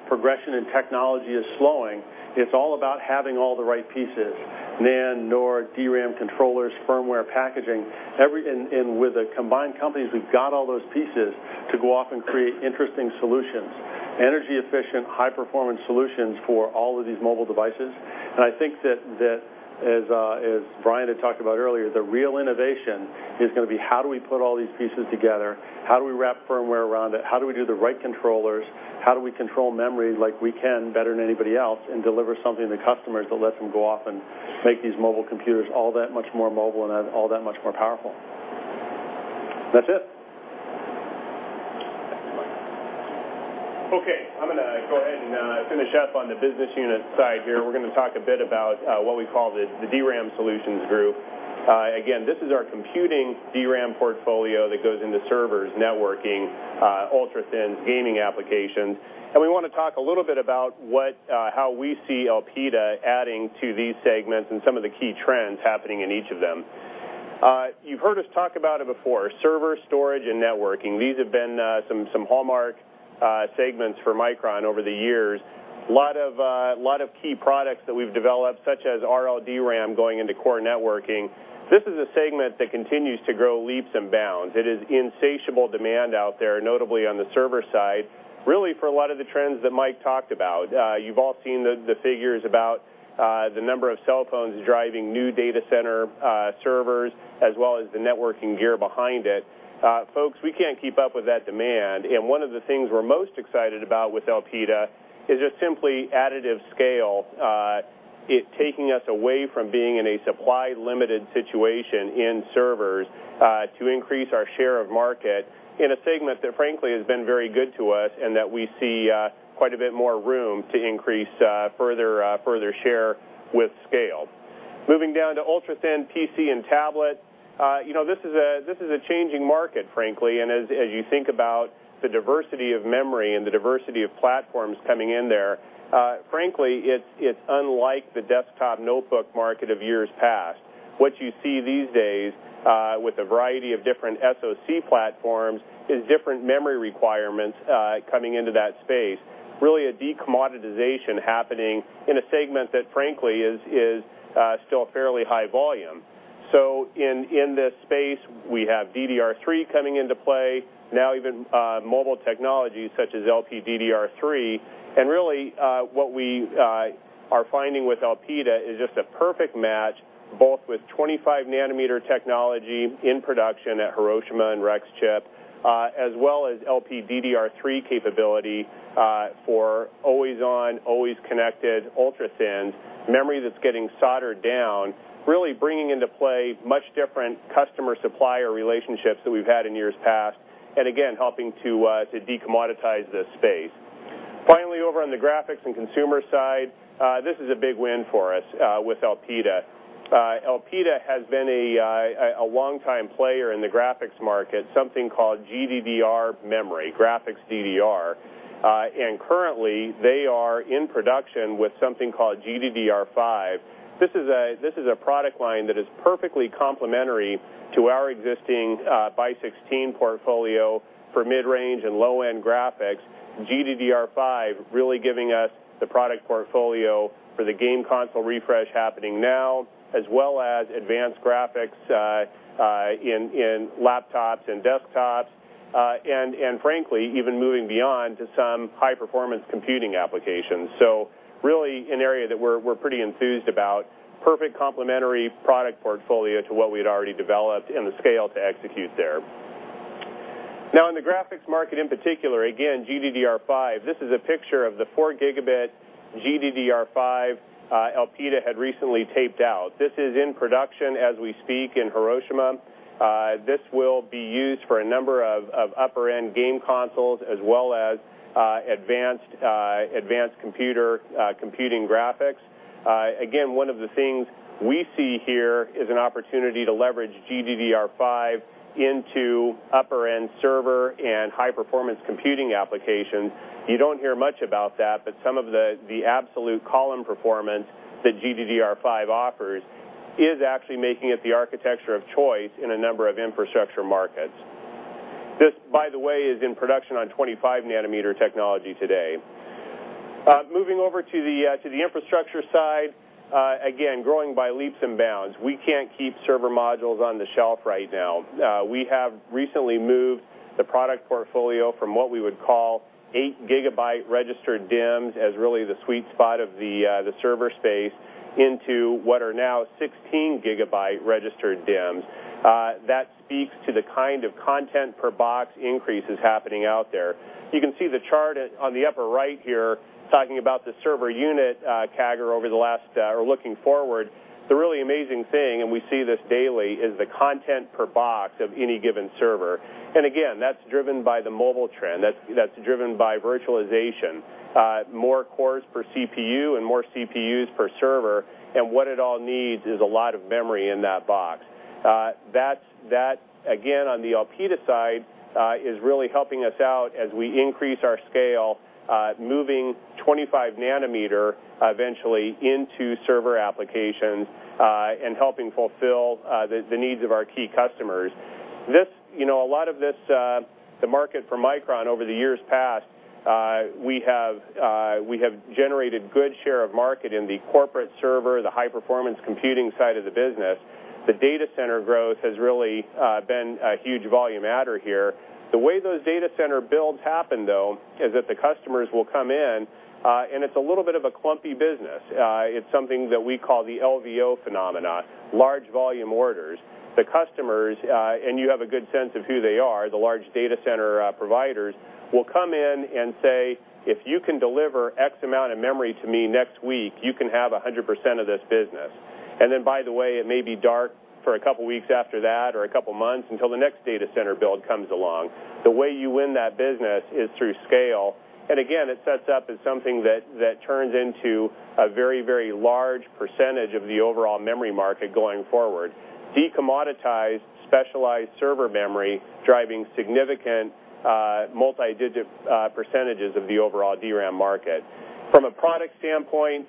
progression in technology is slowing. It's all about having all the right pieces, NAND, NOR, DRAM controllers, firmware, packaging, and with the combined companies, we've got all those pieces to go off and create interesting solutions, energy-efficient, high-performance solutions for all of these mobile devices. I think that, as Brian had talked about earlier, the real innovation is going to be how do we put all these pieces together? How do we wrap firmware around it? How do we do the right controllers? How do we control memory like we can better than anybody else, and deliver something to customers that lets them go off and make these mobile computers all that much more mobile and all that much more powerful? That's it. I'm going to go ahead and finish up on the business unit side here. We're going to talk a bit about what we call the DRAM Solutions Group. Again, this is our computing DRAM portfolio that goes into servers, networking, ultra-thin gaming applications. We want to talk a little bit about how we see Elpida adding to these segments and some of the key trends happening in each of them. You've heard us talk about it before, server, storage, and networking. These have been some hallmark segments for Micron over the years. A lot of key products that we've developed, such as RLDRAM going into core networking. This is a segment that continues to grow leaps and bounds. It is insatiable demand out there, notably on the server side, really for a lot of the trends that Mike talked about. You've all seen the figures about the number of cell phones driving new data center servers, as well as the networking gear behind it. Folks, we can't keep up with that demand. One of the things we're most excited about with Elpida is just simply additive scale. It taking us away from being in a supply-limited situation in servers to increase our share of market in a segment that, frankly, has been very good to us and that we see quite a bit more room to increase further share with scale. Moving down to ultra-thin PC and tablet. This is a changing market, frankly. As you think about the diversity of memory and the diversity of platforms coming in there, frankly, it's unlike the desktop notebook market of years past. What you see these days with a variety of different SoC platforms is different memory requirements coming into that space. Really, a decommoditization happening in a segment that, frankly, is still fairly high volume. In this space, we have DDR3 coming into play, now even mobile technologies such as LPDDR3. Really, what we are finding with Elpida is just a perfect match, both with 25-nanometer technology in production at Hiroshima and Rexchip, as well as LPDDR3 capability for always-on, always-connected ultra-thin memory that's getting soldered down, really bringing into play much different customer-supplier relationships than we've had in years past. Again, helping to decommoditize this space. Finally, over on the graphics and consumer side, this is a big win for us with Elpida. Elpida has been a longtime player in the graphics market, something called GDDR memory, Graphics DDR. Currently, they are in production with something called GDDR5. This is a product line that is perfectly complementary to our existing Bi16 portfolio for mid-range and low-end graphics. GDDR5 really giving us the product portfolio for the game console refresh happening now, as well as advanced graphics in laptops and desktops. Frankly, even moving beyond to some high-performance computing applications. Really, an area that we're pretty enthused about. Perfect complementary product portfolio to what we had already developed and the scale to execute there. Now, in the graphics market, in particular, again, GDDR5. This is a picture of the 4-gigabit GDDR5 Elpida had recently taped out. This is in production as we speak in Hiroshima. This will be used for a number of upper-end game consoles, as well as advanced computing graphics. Again, one of the things we see here is an opportunity to leverage GDDR5 into upper-end server and high-performance computing applications. You don't hear much about that, but some of the absolute column performance that GDDR5 offers is actually making it the architecture of choice in a number of infrastructure markets. This, by the way, is in production on 25-nanometer technology today. Moving over to the infrastructure side. Again, growing by leaps and bounds. We can't keep server modules on the shelf right now. We have recently moved the product portfolio from what we would call 8-gigabyte registered DIMMs as really the sweet spot of the server space into what are now 16-gigabyte registered DIMMs. That speaks to the kind of content per box increases happening out there. You can see the chart on the upper right here talking about the server unit CAGR. Looking forward. The really amazing thing, and we see this daily, is the content per box of any given server. Again, that's driven by the mobile trend. That's driven by virtualization. More cores per CPU and more CPUs per server, what it all needs is a lot of memory in that box. That, again, on the Elpida side, is really helping us out as we increase our scale, moving 25-nanometer eventually into server applications and helping fulfill the needs of our key customers. A lot of the market for Micron over the years past, we have generated good share of market in the corporate server, the high-performance computing side of the business. The data center growth has really been a huge volume adder here. The way those data center builds happen, though, is that the customers will come in, and it's a little bit of a clumpy business. It's something that we call the LVO phenomena, large volume orders. The customers, and you have a good sense of who they are, the large data center providers, will come in and say, "If you can deliver X amount of memory to me next week, you can have 100% of this business." By the way, it may be dark for a couple of weeks after that or a couple of months until the next data center build comes along. The way you win that business is through scale. It sets up as something that turns into a very large percentage of the overall memory market going forward. De-commoditized, specialized server memory driving significant multi-digit percentages of the overall DRAM market. From a product standpoint,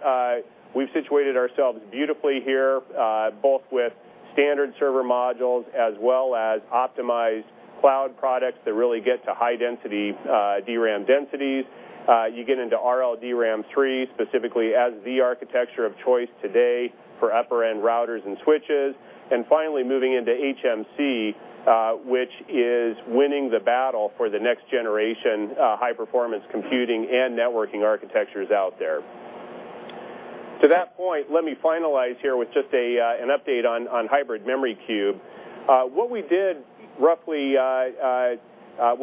we've situated ourselves beautifully here, both with standard server modules as well as optimized cloud products that really get to high-density DRAM densities. You get into RLDRAM 3 specifically as the architecture of choice today for upper-end routers and switches. Moving into HMC, which is winning the battle for the next generation high-performance computing and networking architectures out there. To that point, let me finalize here with just an update on Hybrid Memory Cube. What we did when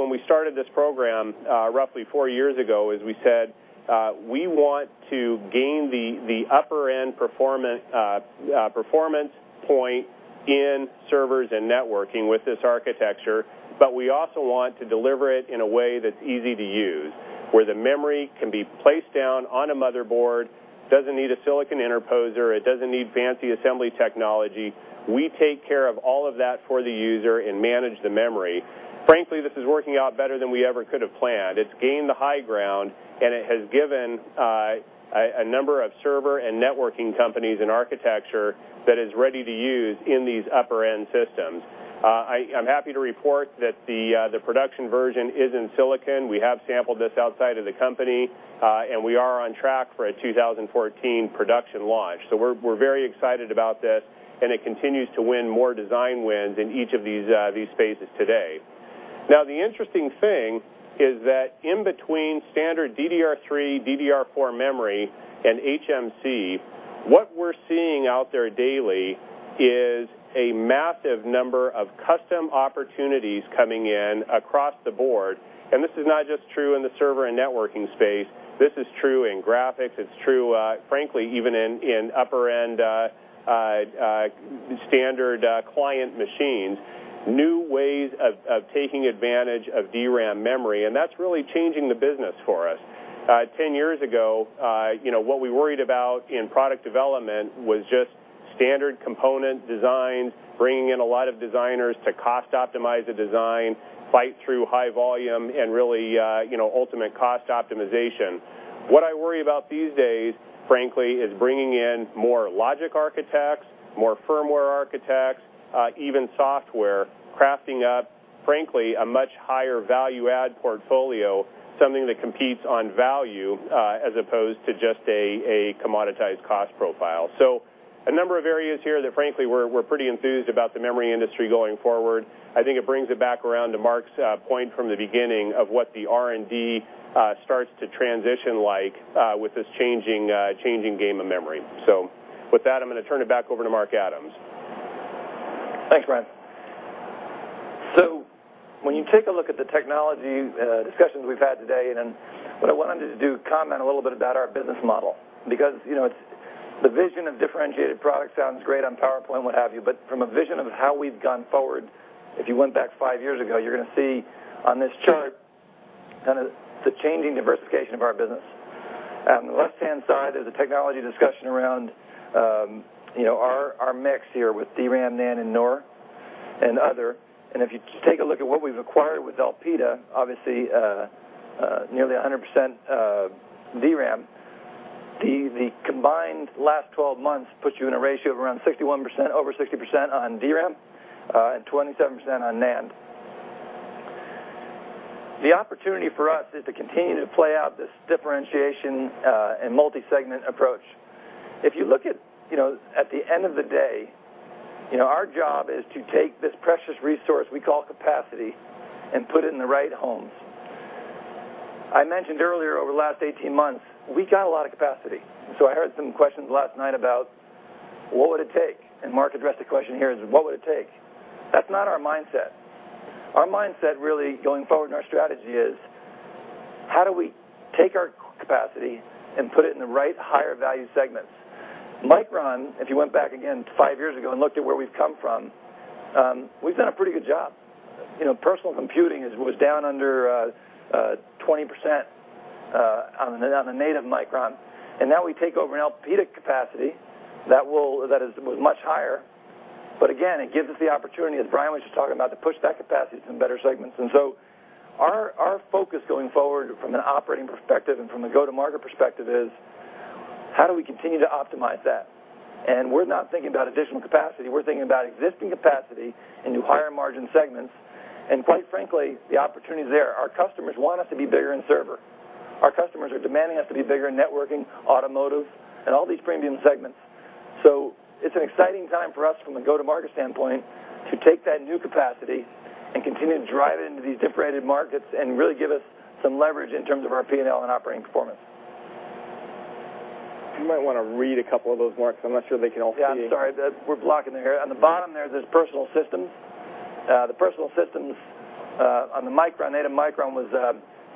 we started this program roughly four years ago is we said, we want to gain the upper-end performance point in servers and networking with this architecture, but we also want to deliver it in a way that's easy to use, where the memory can be placed down on a motherboard, doesn't need a silicon interposer, it doesn't need fancy assembly technology. We take care of all of that for the user and manage the memory. Frankly, this is working out better than we ever could have planned. It's gained the high ground, and it has given a number of server and networking companies an architecture that is ready to use in these upper-end systems. I'm happy to report that the production version is in silicon. We have sampled this outside of the company, and we are on track for a 2014 production launch. We're very excited about this, and it continues to win more design wins in each of these phases today. Now, the interesting thing is that in between standard DDR3, DDR4 memory, and HMC, what we're seeing out there daily is a massive number of custom opportunities coming in across the board. This is not just true in the server and networking space. This is true in graphics. It's true, frankly, even in upper-end standard client machines. New ways of taking advantage of DRAM memory, that's really changing the business for us. 10 years ago, what we worried about in product development was just standard component designs, bringing in a lot of designers to cost optimize a design, fight through high volume, and really ultimate cost optimization. What I worry about these days, frankly, is bringing in more logic architects, more firmware architects, even software, crafting up, frankly, a much higher value add portfolio, something that competes on value as opposed to just a commoditized cost profile. A number of areas here that, frankly, we're pretty enthused about the memory industry going forward. I think it brings it back around to Mark's point from the beginning of what the R&D starts to transition like with this changing game of memory. With that, I'm going to turn it back over to Mark Adams. Thanks, Brian. When you take a look at the technology discussions we've had today, and what I wanted to do, comment a little bit about our business model, because the vision of differentiated product sounds great on PowerPoint, what have you, but from a vision of how we've gone forward, if you went back five years ago, you're going to see on this chart the changing diversification of our business. On the left-hand side, there's a technology discussion around our mix here with DRAM, NAND, and NOR, and other. If you take a look at what we've acquired with Elpida, obviously, nearly 100% DRAM. The combined last 12 months puts you in a ratio of around 61%, over 60% on DRAM, and 27% on NAND. The opportunity for us is to continue to play out this differentiation and multi-segment approach. If you look at the end of the day, our job is to take this precious resource we call capacity and put it in the right homes. I mentioned earlier, over the last 18 months, we got a lot of capacity. I heard some questions last night about what would it take? Mark addressed the question here is, what would it take? That's not our mindset. Our mindset, really, going forward in our strategy is, how do we take our capacity and put it in the right higher value segments? Micron, if you went back again five years ago and looked at where we've come from, we've done a pretty good job. Personal computing was down under 20% on the native Micron, and now we take over an Elpida capacity that was much higher. Again, it gives us the opportunity, as Brian was just talking about, to push that capacity to some better segments. Our focus going forward from an operating perspective and from a go-to-market perspective is How do we continue to optimize that? We're not thinking about additional capacity. We're thinking about existing capacity into higher margin segments. Quite frankly, the opportunity is there. Our customers want us to be bigger in server. Our customers are demanding us to be bigger in networking, automotive, and all these premium segments. It's an exciting time for us from a go-to-market standpoint to take that new capacity and continue to drive it into these differentiated markets and really give us some leverage in terms of our P&L and operating performance. You might want to read a couple of those, Mark. I'm not sure they can all see. Yeah, I'm sorry. We're blocking there. On the bottom there's personal systems. The personal systems on the Micron, native Micron, was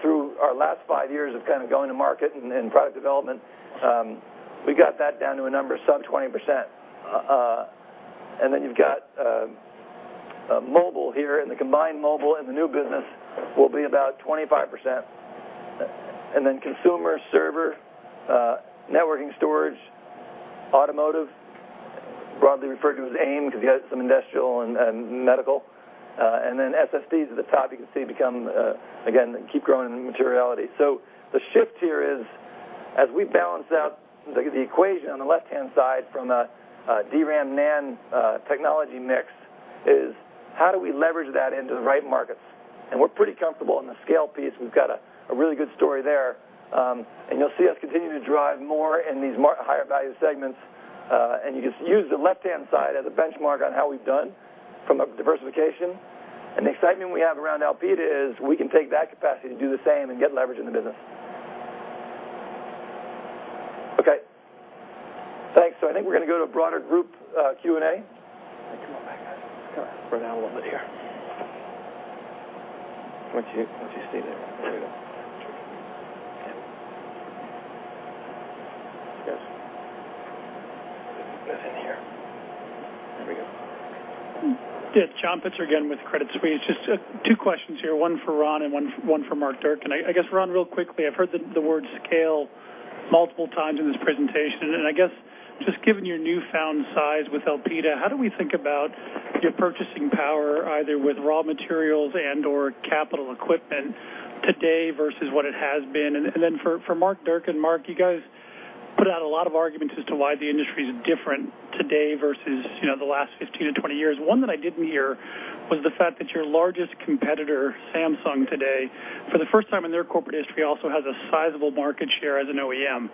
through our last five years of going to market and product development. We got that down to a number of sub 20%. Then you've got mobile here, and the combined mobile and the new business will be about 25%. Then consumer server, networking storage, automotive, broadly referred to as AIM, because you have some industrial and medical. Then SSDs at the top, you can see, keep growing in materiality. The shift here is, as we balance out the equation on the left-hand side from a DRAM NAND technology mix, is how do we leverage that into the right markets? We're pretty comfortable on the scale piece. We've got a really good story there. You'll see us continue to drive more in these higher value segments. You just use the left-hand side as a benchmark on how we've done from a diversification. The excitement we have around Elpida is we can take that capacity to do the same and get leverage in the business. Okay, thanks. I think we're going to go to a broader group Q&A. Come on back, guys. Come on. We're down a little bit here. Why don't you stay there? There we go. Yes. Get in here. There we go. Yes. John Pitzer again with Credit Suisse. Just two questions here, one for Ron and one for Mark Durcan. I guess, Ron, real quickly, I've heard the word scale multiple times in this presentation. I guess, just given your newfound size with Elpida, how do we think about your purchasing power, either with raw materials and/or capital equipment today versus what it has been? For Mark Durcan, Mark, you guys put out a lot of arguments as to why the industry is different today versus the last 15 to 20 years. One that I didn't hear was the fact that your largest competitor, Samsung, today, for the first time in their corporate history, also has a sizable market share as an OEM.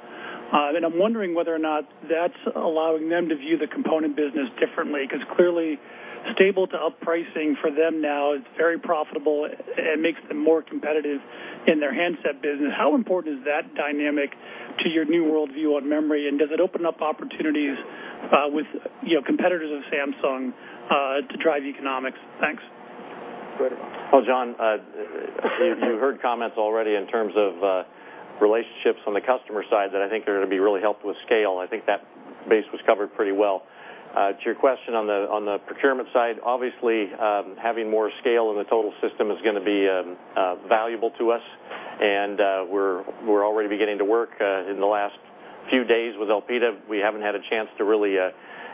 I'm wondering whether or not that's allowing them to view the component business differently, because clearly, stable to up pricing for them now is very profitable. It makes them more competitive in their handset business. How important is that dynamic to your new worldview on memory, and does it open up opportunities with competitors of Samsung to drive economics? Thanks. Go ahead. Well, John, you heard comments already in terms of relationships on the customer side that I think are going to be really helpful with scale. I think that base was covered pretty well. To your question on the procurement side, obviously, having more scale in the total system is going to be valuable to us, and we're already beginning to work in the last few days with Elpida. We haven't had a chance to really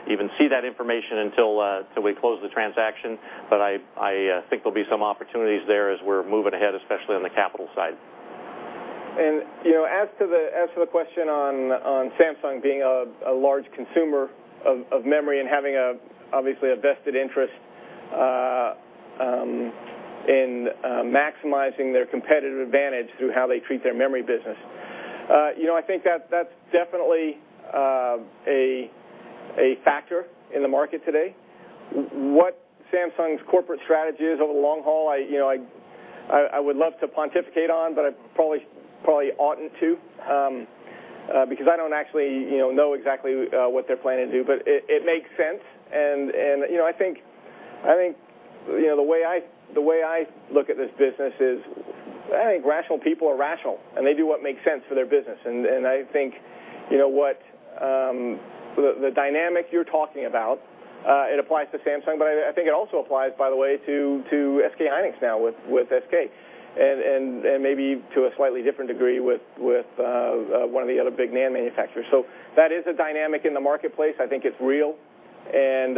even see that information until we close the transaction. I think there'll be some opportunities there as we're moving ahead, especially on the capital side. As to the question on Samsung being a large consumer of memory and having, obviously, a vested interest in maximizing their competitive advantage through how they treat their memory business, I think that's definitely a factor in the market today. What Samsung's corporate strategy is over the long haul, I would love to pontificate on, but I probably oughtn't to, because I don't actually know exactly what they're planning to do. It makes sense, and I think the way I look at this business is, I think rational people are rational, and they do what makes sense for their business. I think the dynamic you're talking about, it applies to Samsung, but I think it also applies, by the way, to SK Hynix now with SK, and maybe to a slightly different degree with one of the other big NAND manufacturers. That is a dynamic in the marketplace. I think it's real, and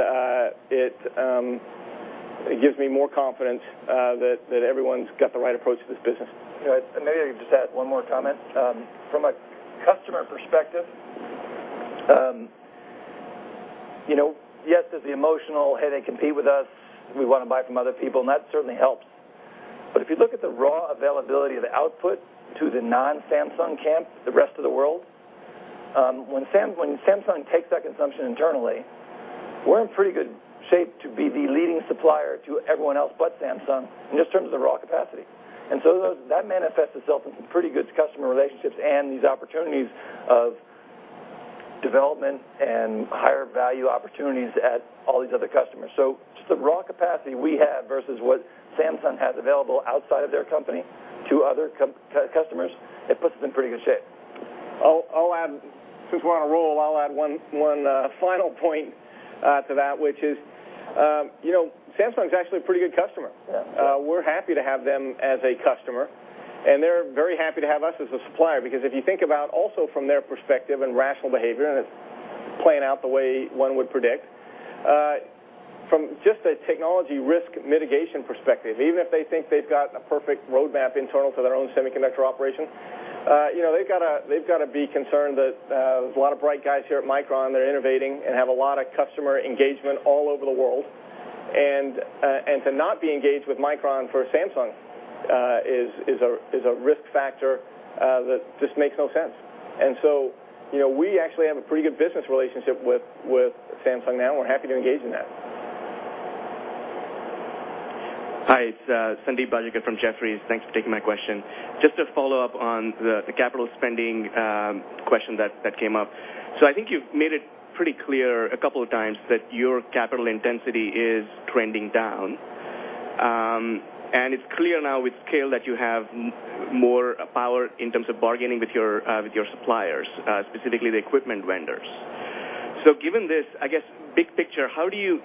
it gives me more confidence that everyone's got the right approach to this business. Right. Maybe I could just add one more comment. From a customer perspective, yes, there's the emotional, "Hey, they compete with us. We want to buy from other people," and that certainly helps. If you look at the raw availability of the output to the non-Samsung camp, the rest of the world, when Samsung takes that consumption internally, we're in pretty good shape to be the leading supplier to everyone else but Samsung, just in terms of the raw capacity. That manifests itself in some pretty good customer relationships and these opportunities of development and higher value opportunities at all these other customers. Just the raw capacity we have versus what Samsung has available outside of their company to other customers, it puts us in pretty good shape. I'll add, since we're on a roll, I'll add one final point to that, which is Samsung is actually a pretty good customer. Yeah. We're happy to have them as a customer, they're very happy to have us as a supplier, because if you think about also from their perspective and rational behavior. Playing out the way one would predict. From just a technology risk mitigation perspective, even if they think they've got a perfect roadmap internal to their own semiconductor operation, they've got to be concerned that there's a lot of bright guys here at Micron that are innovating and have a lot of customer engagement all over the world. To not be engaged with Micron for Samsung is a risk factor that just makes no sense. We actually have a pretty good business relationship with Samsung now, and we're happy to engage in that. Hi, it's Sandeep Baliga from Jefferies. Thanks for taking my question. Just to follow up on the capital spending question that came up. I think you've made it pretty clear a couple of times that your capital intensity is trending down. It's clear now with scale that you have more power in terms of bargaining with your suppliers, specifically the equipment vendors. Given this, I guess, big picture, how do you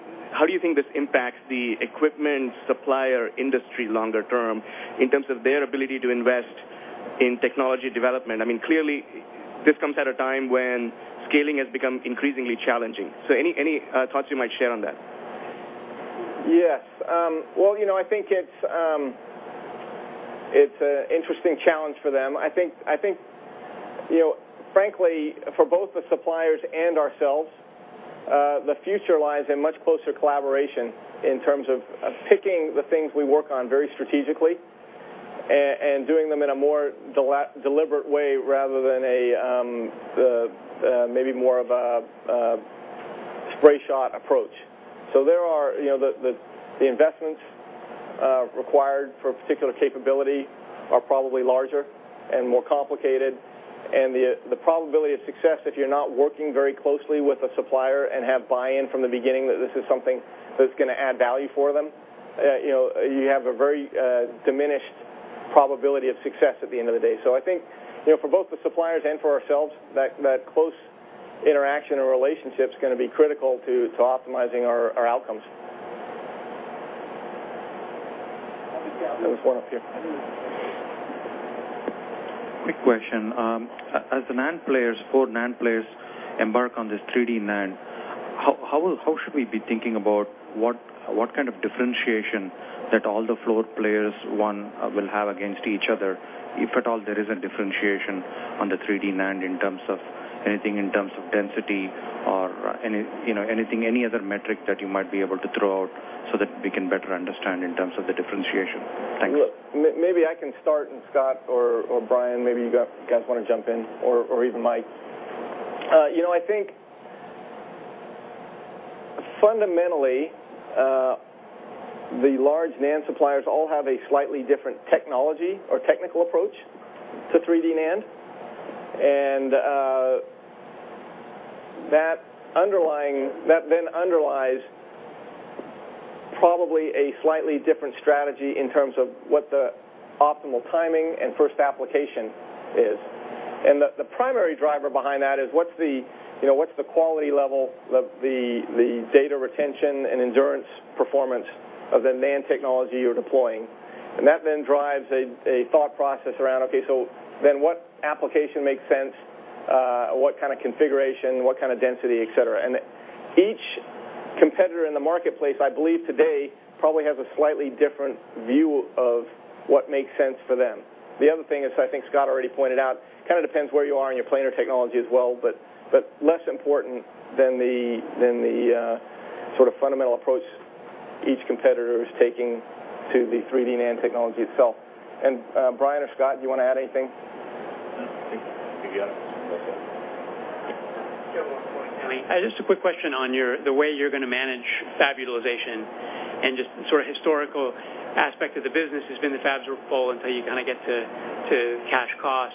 think this impacts the equipment supplier industry longer term in terms of their ability to invest in technology development? Clearly, this comes at a time when scaling has become increasingly challenging. Any thoughts you might share on that? Yes. I think it's an interesting challenge for them. I think, frankly, for both the suppliers and ourselves, the future lies in much closer collaboration in terms of picking the things we work on very strategically and doing them in a more deliberate way rather than maybe more of a spray shot approach. The investments required for a particular capability are probably larger and more complicated, the probability of success if you're not working very closely with a supplier and have buy-in from the beginning that this is something that's going to add value for them, you have a very diminished probability of success at the end of the day. I think, for both the suppliers and for ourselves, that close interaction and relationship is going to be critical to optimizing our outcomes. There was one up here. Quick question. As the four NAND players embark on this 3D NAND, how should we be thinking about what kind of differentiation that all the four players will have against each other, if at all, there is a differentiation on the 3D NAND in terms of anything in terms of density or any other metric that you might be able to throw out so that we can better understand in terms of the differentiation? Thanks. Look, maybe I can start, and Scott or Brian, maybe you guys want to jump in, or even Mike. I think fundamentally, the large NAND suppliers all have a slightly different technology or technical approach to 3D NAND. That underlies probably a slightly different strategy in terms of what the optimal timing and first application is. The primary driver behind that is what's the quality level of the data retention and endurance performance of the NAND technology you're deploying. That drives a thought process around, okay, what application makes sense, what kind of configuration, what kind of density, et cetera. Each competitor in the marketplace, I believe today, probably has a slightly different view of what makes sense for them. The other thing is, I think Scott already pointed out, it kind of depends where you are in your planar technology as well, but less important than the sort of fundamental approach each competitor is taking to the 3D NAND technology itself. Brian or Scott, do you want to add anything? No, I think you got it. Just a quick question on the way you're going to manage fab utilization and just sort of historical aspect of the business has been the fabs were full until you kind of get to cash cost.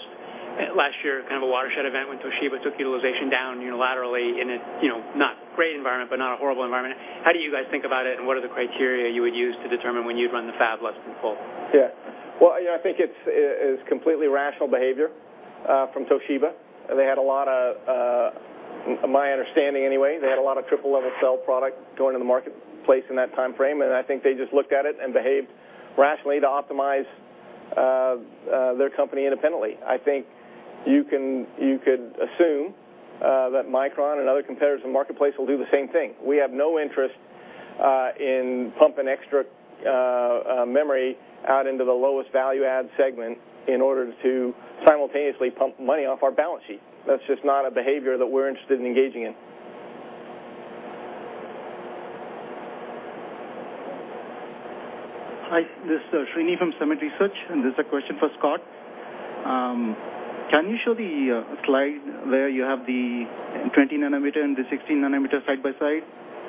Last year, kind of a watershed event when Toshiba took utilization down unilaterally in a not great environment, but not a horrible environment. How do you guys think about it, and what are the criteria you would use to determine when you'd run the fab less than full? Yeah. I think it's completely rational behavior from Toshiba. My understanding, anyway, they had a lot of triple-level cell product going in the marketplace in that timeframe, and I think they just looked at it and behaved rationally to optimize their company independently. I think you could assume that Micron and other competitors in the marketplace will do the same thing. We have no interest in pumping extra memory out into the lowest value-add segment in order to simultaneously pump money off our balance sheet. That's just not a behavior that we're interested in engaging in. Hi, this is Srini from Summit Research, and this is a question for Scott. Can you show the slide where you have the 20-nanometer and the 16-nanometer side by side?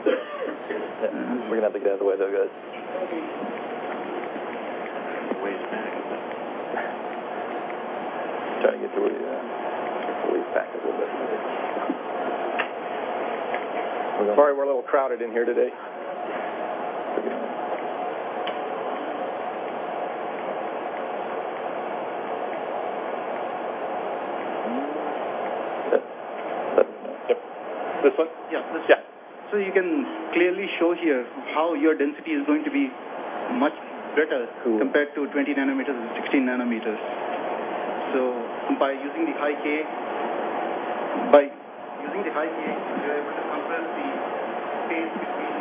We're going to have to get out of the way, though, guys. Try to get Luigi to back a little bit. Sorry, we're a little crowded in here today. This one? Yeah. Yeah. You can clearly show here how your density is going to be much better compared to 20-nanometer and 16-nanometer. By using the high-K, you were able to compare the scale between.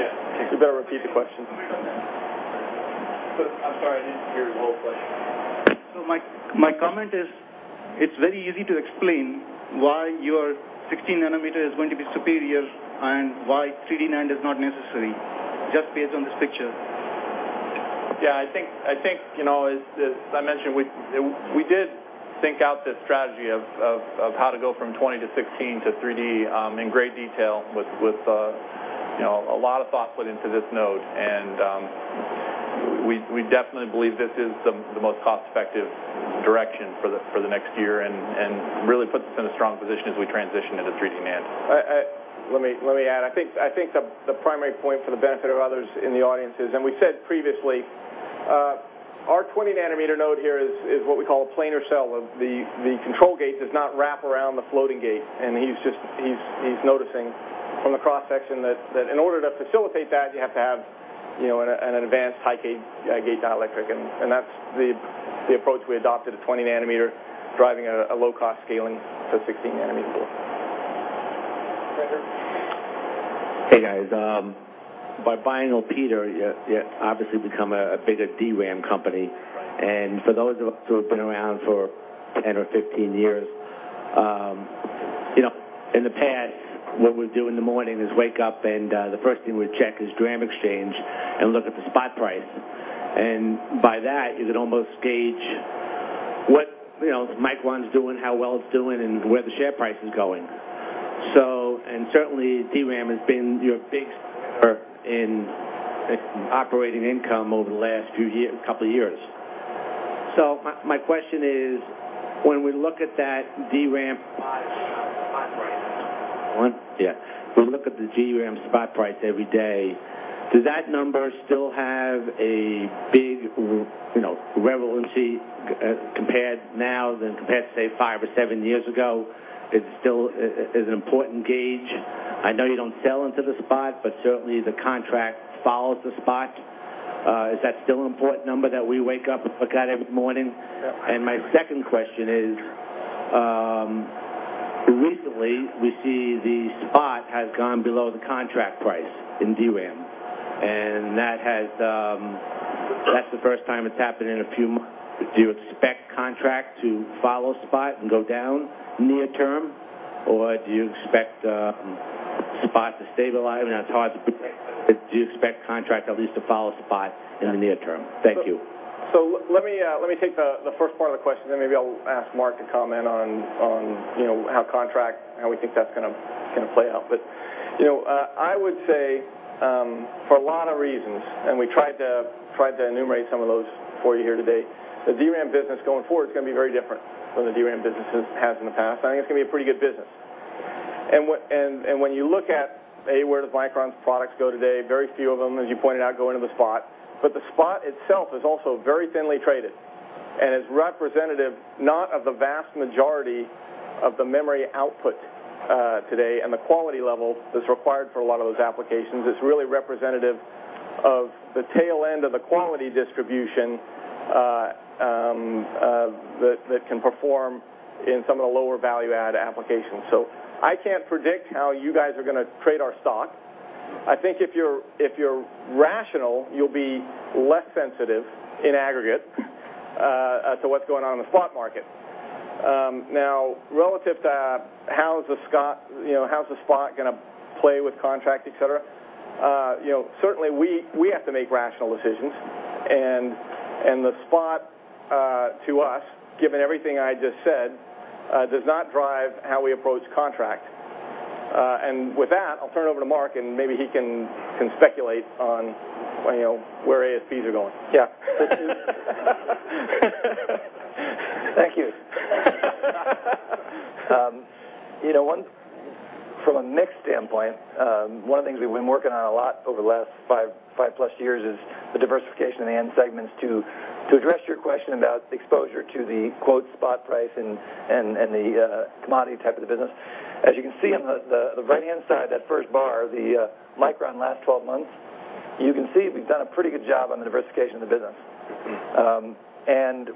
Yeah. You better repeat the question. I'm sorry, I didn't hear his whole question. My comment is, it's very easy to explain why your 16-nanometer is going to be superior and why 3D NAND is not necessary, just based on this picture. Yeah, I think, as I mentioned, we did think out this strategy of how to go from 20 to 16 to 3D in great detail with a lot of thought put into this node. We definitely believe this is the most cost-effective direction for the next year and really puts us in a strong position as we transition into 3D NAND. Let me add. I think the primary point for the benefit of others in the audience is, and we said previously, our 20-nanometer node here is what we call a planar cell. The control gate does not wrap around the floating gate, and he's noticing from the cross-section that in order to facilitate that, you have to have an advanced high-K gate dielectric. That's the approach we adopted at 20 nanometer, driving a low-cost scaling to 16 nanometer. Roger. Hey, guys. By buying Elpida, you obviously become a bigger DRAM company. Right. For those of us who have been around for 10 or 15 years, in the past, what we'd do in the morning is wake up, and the first thing we'd check is DRAMeXchange and look at the spot price. By that, you could almost gauge what Micron's doing, how well it's doing, and where the share price is going. Certainly, DRAM has been your biggest earner in operating income over the last couple of years. My question is, when we look at that DRAM spot price every day, does that number still have a big relevancy compared now than compared to, say, five or seven years ago? Is it still an important gauge? I know you don't sell into the spot, but certainly the contract follows the spot. Is that still an important number that we wake up and look at every morning? My second question is, recently, we see the spot has gone below the contract price in DRAM, that's the first time it's happened in a few months. Do you expect contract to follow spot and go down near-term, or do you expect spot to stabilize? I mean, that's hard to predict, but do you expect contract at least to follow spot in the near term? Thank you. Let me take the first part of the question, maybe I'll ask Mark to comment on how contract, how we think that's going to play out. I would say, for a lot of reasons, we tried to enumerate some of those for you here today, the DRAM business going forward is going to be very different from the DRAM businesses has in the past. I think it's going to be a pretty good business. When you look at, A, where does Micron's products go today? Very few of them, as you pointed out, go into the spot. The spot itself is also very thinly traded and is representative, not of the vast majority of the memory output today and the quality level that's required for a lot of those applications. It's really representative of the tail end of the quality distribution that can perform in some of the lower value-add applications. I can't predict how you guys are going to trade our stock. I think if you're rational, you'll be less sensitive in aggregate as to what's going on in the spot market. Now, relative to how's the spot going to play with contract, et cetera, certainly we have to make rational decisions. The spot, to us, given everything I just said, does not drive how we approach contract. With that, I'll turn it over to Mark, and maybe he can speculate on where ASPs are going. Yeah. Thank you. From a mix standpoint, one of the things we've been working on a lot over the last five-plus years is the diversification of the end segments. To address your question about the exposure to the, quote, "spot price" and the commodity type of the business, as you can see on the right-hand side, that first bar, the Micron last 12 months, you can see we've done a pretty good job on the diversification of the business.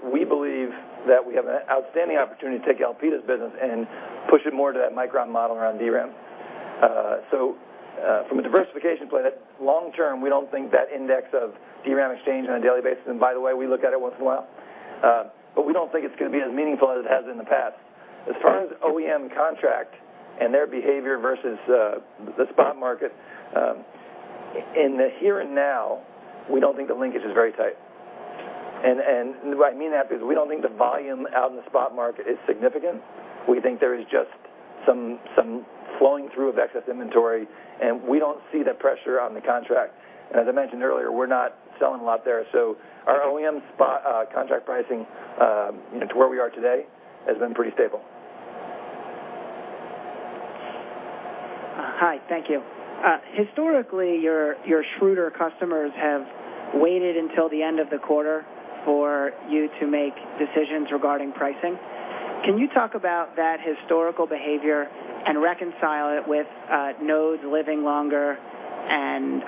We believe that we have an outstanding opportunity to take Elpida's business and push it more to that Micron model around DRAM. From a diversification play, that long term, we don't think that index of DRAMeXchange on a daily basis, by the way, we look at it once in a while, but we don't think it's going to be as meaningful as it has in the past. As far as OEM contract and their behavior versus the spot market, in the here and now, we don't think the linkage is very tight. I mean, we don't think the volume out in the spot market is significant. We think there is just some flowing through of excess inventory, and we don't see the pressure out in the contract. As I mentioned earlier, we're not selling a lot there, so our OEM contract pricing to where we are today has been pretty stable. Hi, thank you. Historically, your shrewder customers have waited until the end of the quarter for you to make decisions regarding pricing. Can you talk about that historical behavior and reconcile it with nodes living longer and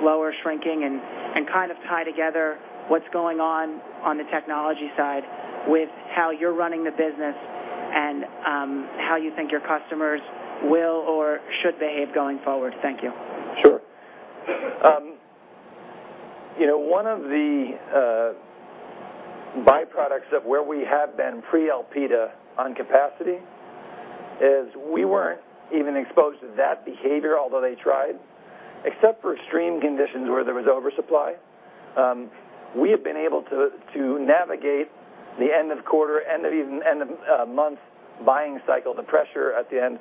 slower shrinking, and tie together what's going on the technology side with how you're running the business and how you think your customers will or should behave going forward? Thank you. Sure. One of the byproducts of where we have been pre-Elpida on capacity is we weren't even exposed to that behavior, although they tried, except for extreme conditions where there was oversupply. We have been able to navigate the end of quarter, end of month buying cycle, the pressure at the end.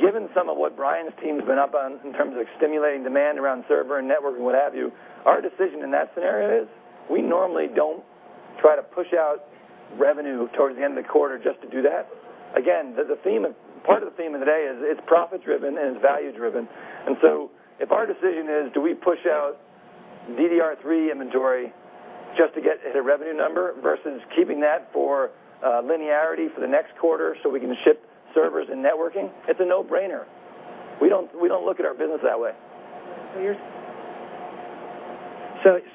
Given some of what Brian's team's been up on in terms of stimulating demand around server and network and what have you, our decision in that scenario is we normally don't try to push out revenue towards the end of the quarter just to do that. Again, part of the theme of the day is it's profit-driven and it's value-driven. So if our decision is do we push out DDR3 inventory just to hit a revenue number versus keeping that for linearity for the next quarter so we can ship servers and networking, it's a no-brainer. We don't look at our business that way.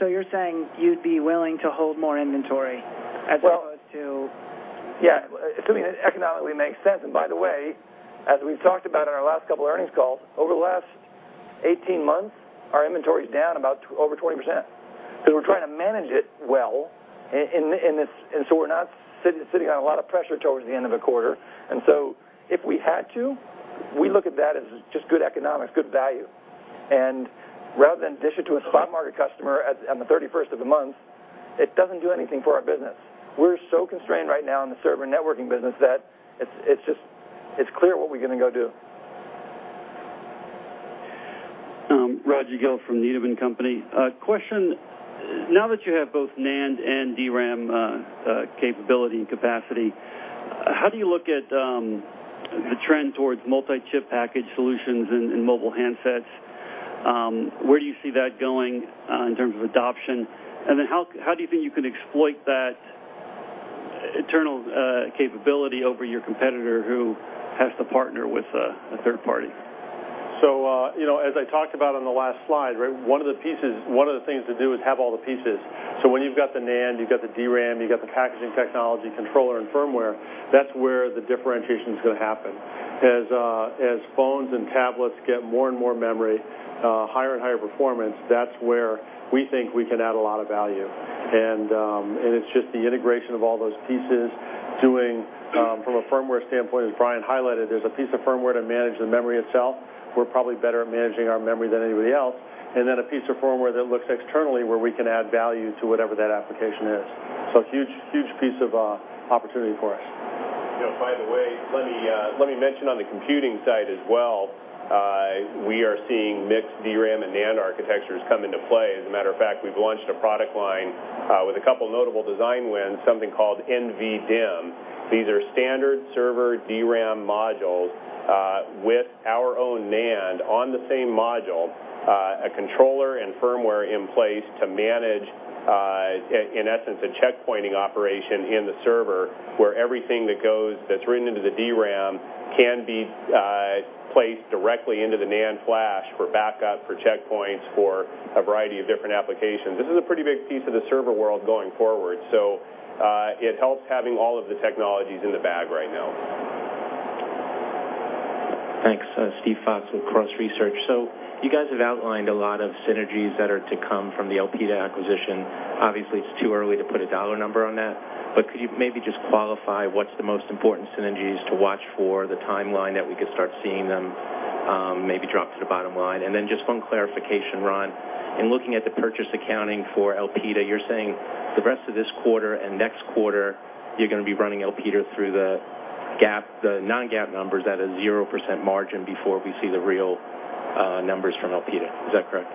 You're saying you'd be willing to hold more inventory as- Well- opposed to- Yeah, assuming it economically makes sense. By the way, as we've talked about in our last couple earnings calls, over the last 18 months, our inventory is down about over 20%, because we're trying to manage it well, and so we're not sitting on a lot of pressure towards the end of a quarter. If we had to, we look at that as just good economics, good value. Rather than dish it to a spot market customer on the 31st of the month, it doesn't do anything for our business. We're so constrained right now in the server and networking business that it's clear what we're going to go do. Roger Gill from Needham & Company. Question, now that you have both NAND and DRAM capability and capacity, how do you look at the trend towards multi-chip package solutions in mobile handsets? Where do you see that going in terms of adoption? How do you think you can exploit that internal capability over your competitor who has to partner with a third party? As I talked about on the last slide, one of the things to do is have all the pieces. When you've got the NAND, you've got the DRAM, you've got the packaging technology, controller, and firmware, that's where the differentiation is going to happen. As phones and tablets get more and more memory, higher and higher performance, that's where we think we can add a lot of value. It's just the integration of all those pieces, doing from a firmware standpoint, as Brian highlighted, there's a piece of firmware to manage the memory itself. We're probably better at managing our memory than anybody else. A piece of firmware that looks externally where we can add value to whatever that application is. Huge piece of opportunity for us. By the way, let me mention on the computing side as well, we are seeing mixed DRAM and NAND architectures come into play. As a matter of fact, we've launched a product line with a couple notable design wins, something called NVDIMM. These are standard server DRAM modules with our own NAND on the same module, a controller and firmware in place to manage, in essence, a check-pointing operation in the server where everything that's written into the DRAM can be placed directly into the NAND flash for backup, for checkpoints, for a variety of different applications. It helps having all of the technologies in the bag right now. Thanks. Steve Fox with Cross Research. You guys have outlined a lot of synergies that are to come from the Elpida acquisition. Obviously, it's too early to put a dollar number on that, but could you maybe just qualify what's the most important synergies to watch for, the timeline that we could start seeing them maybe drop to the bottom line? Just one clarification, Ron. In looking at the purchase accounting for Elpida, you're saying the rest of this quarter and next quarter, you're going to be running Elpida through the non-GAAP numbers at a 0% margin before we see the real numbers from Elpida. Is that correct?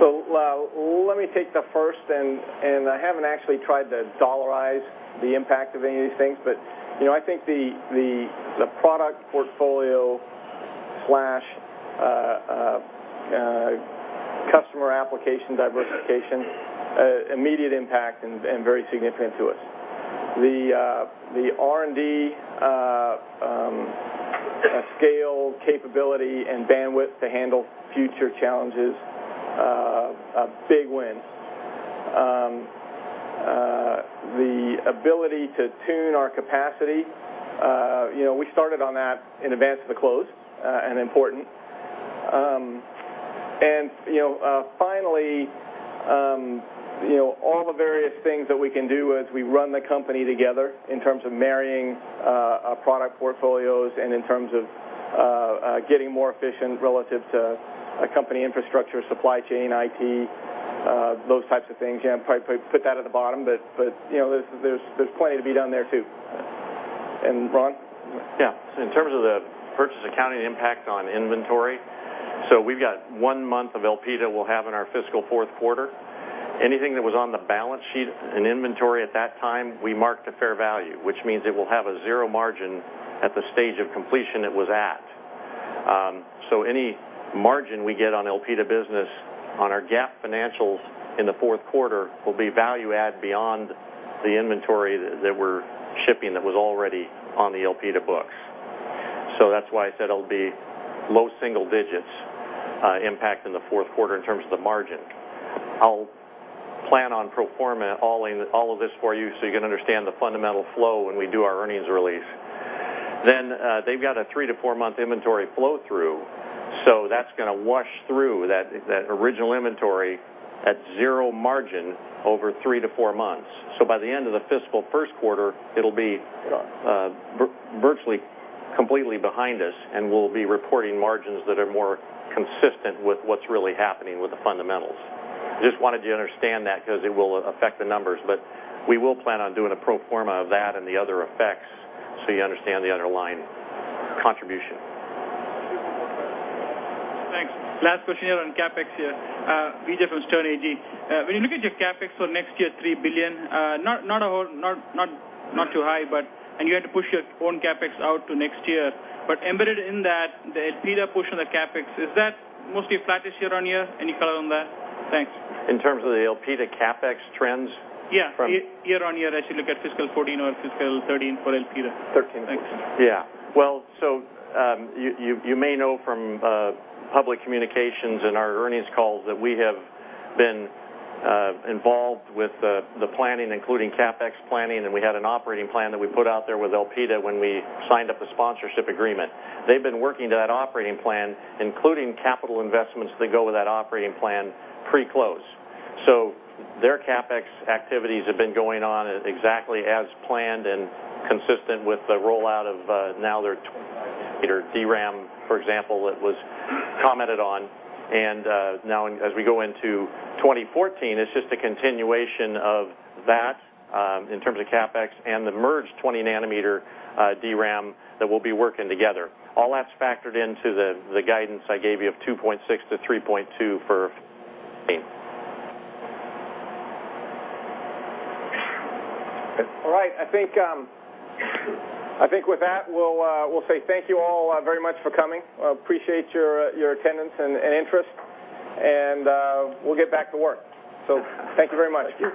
Let me take the first. I haven't actually tried to dollarize the impact of any of these things. I think the product portfolio/customer application diversification, immediate impact and very significant to us. The R&D scale capability and bandwidth to handle future challenges, a big win. The ability to tune our capacity, we started on that in advance of the close, important. Finally, all the various things that we can do as we run the company together in terms of marrying our product portfolios and in terms of getting more efficient relative to a company infrastructure, supply chain, IT, those types of things, probably put that at the bottom. There's plenty to be done there, too. Ron? Yeah. In terms of the purchase accounting impact on inventory, we've got one month of Elpida we'll have in our fiscal fourth quarter. Anything that was on the balance sheet in inventory at that time, we marked to fair value, which means it will have a zero margin at the stage of completion it was at. Any margin we get on Elpida business, on our GAAP financials in the fourth quarter, will be value add beyond the inventory that we're shipping that was already on the Elpida books. That's why I said it'll be low single digits impact in the fourth quarter in terms of the margin. I'll plan on pro forma all of this for you so you can understand the fundamental flow when we do our earnings release. They've got a 3- to 4-month inventory flow-through. That's going to wash through that original inventory at zero margin over 3 to 4 months. By the end of the fiscal first quarter, it'll be virtually completely behind us. We'll be reporting margins that are more consistent with what's really happening with the fundamentals. Just wanted you to understand that because it will affect the numbers. We will plan on doing a pro forma of that and the other effects so you understand the underlying contribution. Thanks. Last question on CapEx. Vijay from Sterne Agee. When you look at your CapEx for next year, $3 billion, not too high, and you had to push your own CapEx out to next year. Embedded in that, the Elpida portion of the CapEx, is that mostly flattish year-on-year? Any color on that? Thanks. In terms of the Elpida CapEx trends? Yeah. Year-on-year, as you look at fiscal 2014 or fiscal 2013 for Elpida. 2013, okay. Thanks. You may know from public communications and our earnings calls that we have been involved with the planning, including CapEx planning, and we had an operating plan that we put out there with Elpida when we signed up the sponsorship agreement. They've been working to that operating plan, including capital investments that go with that operating plan, pretty close. Their CapEx activities have been going on exactly as planned and consistent with the rollout of now their 25-nanometer DRAM, for example, that was commented on. As we go into 2014, it's just a continuation of that in terms of CapEx and the merged 20-nanometer DRAM that will be working together. All that's factored into the guidance I gave you of $2.6-$3.2 for 2014. All right. I think with that, we'll say thank you all very much for coming. Appreciate your attendance and interest, and we'll get back to work. Thank you very much. Thank you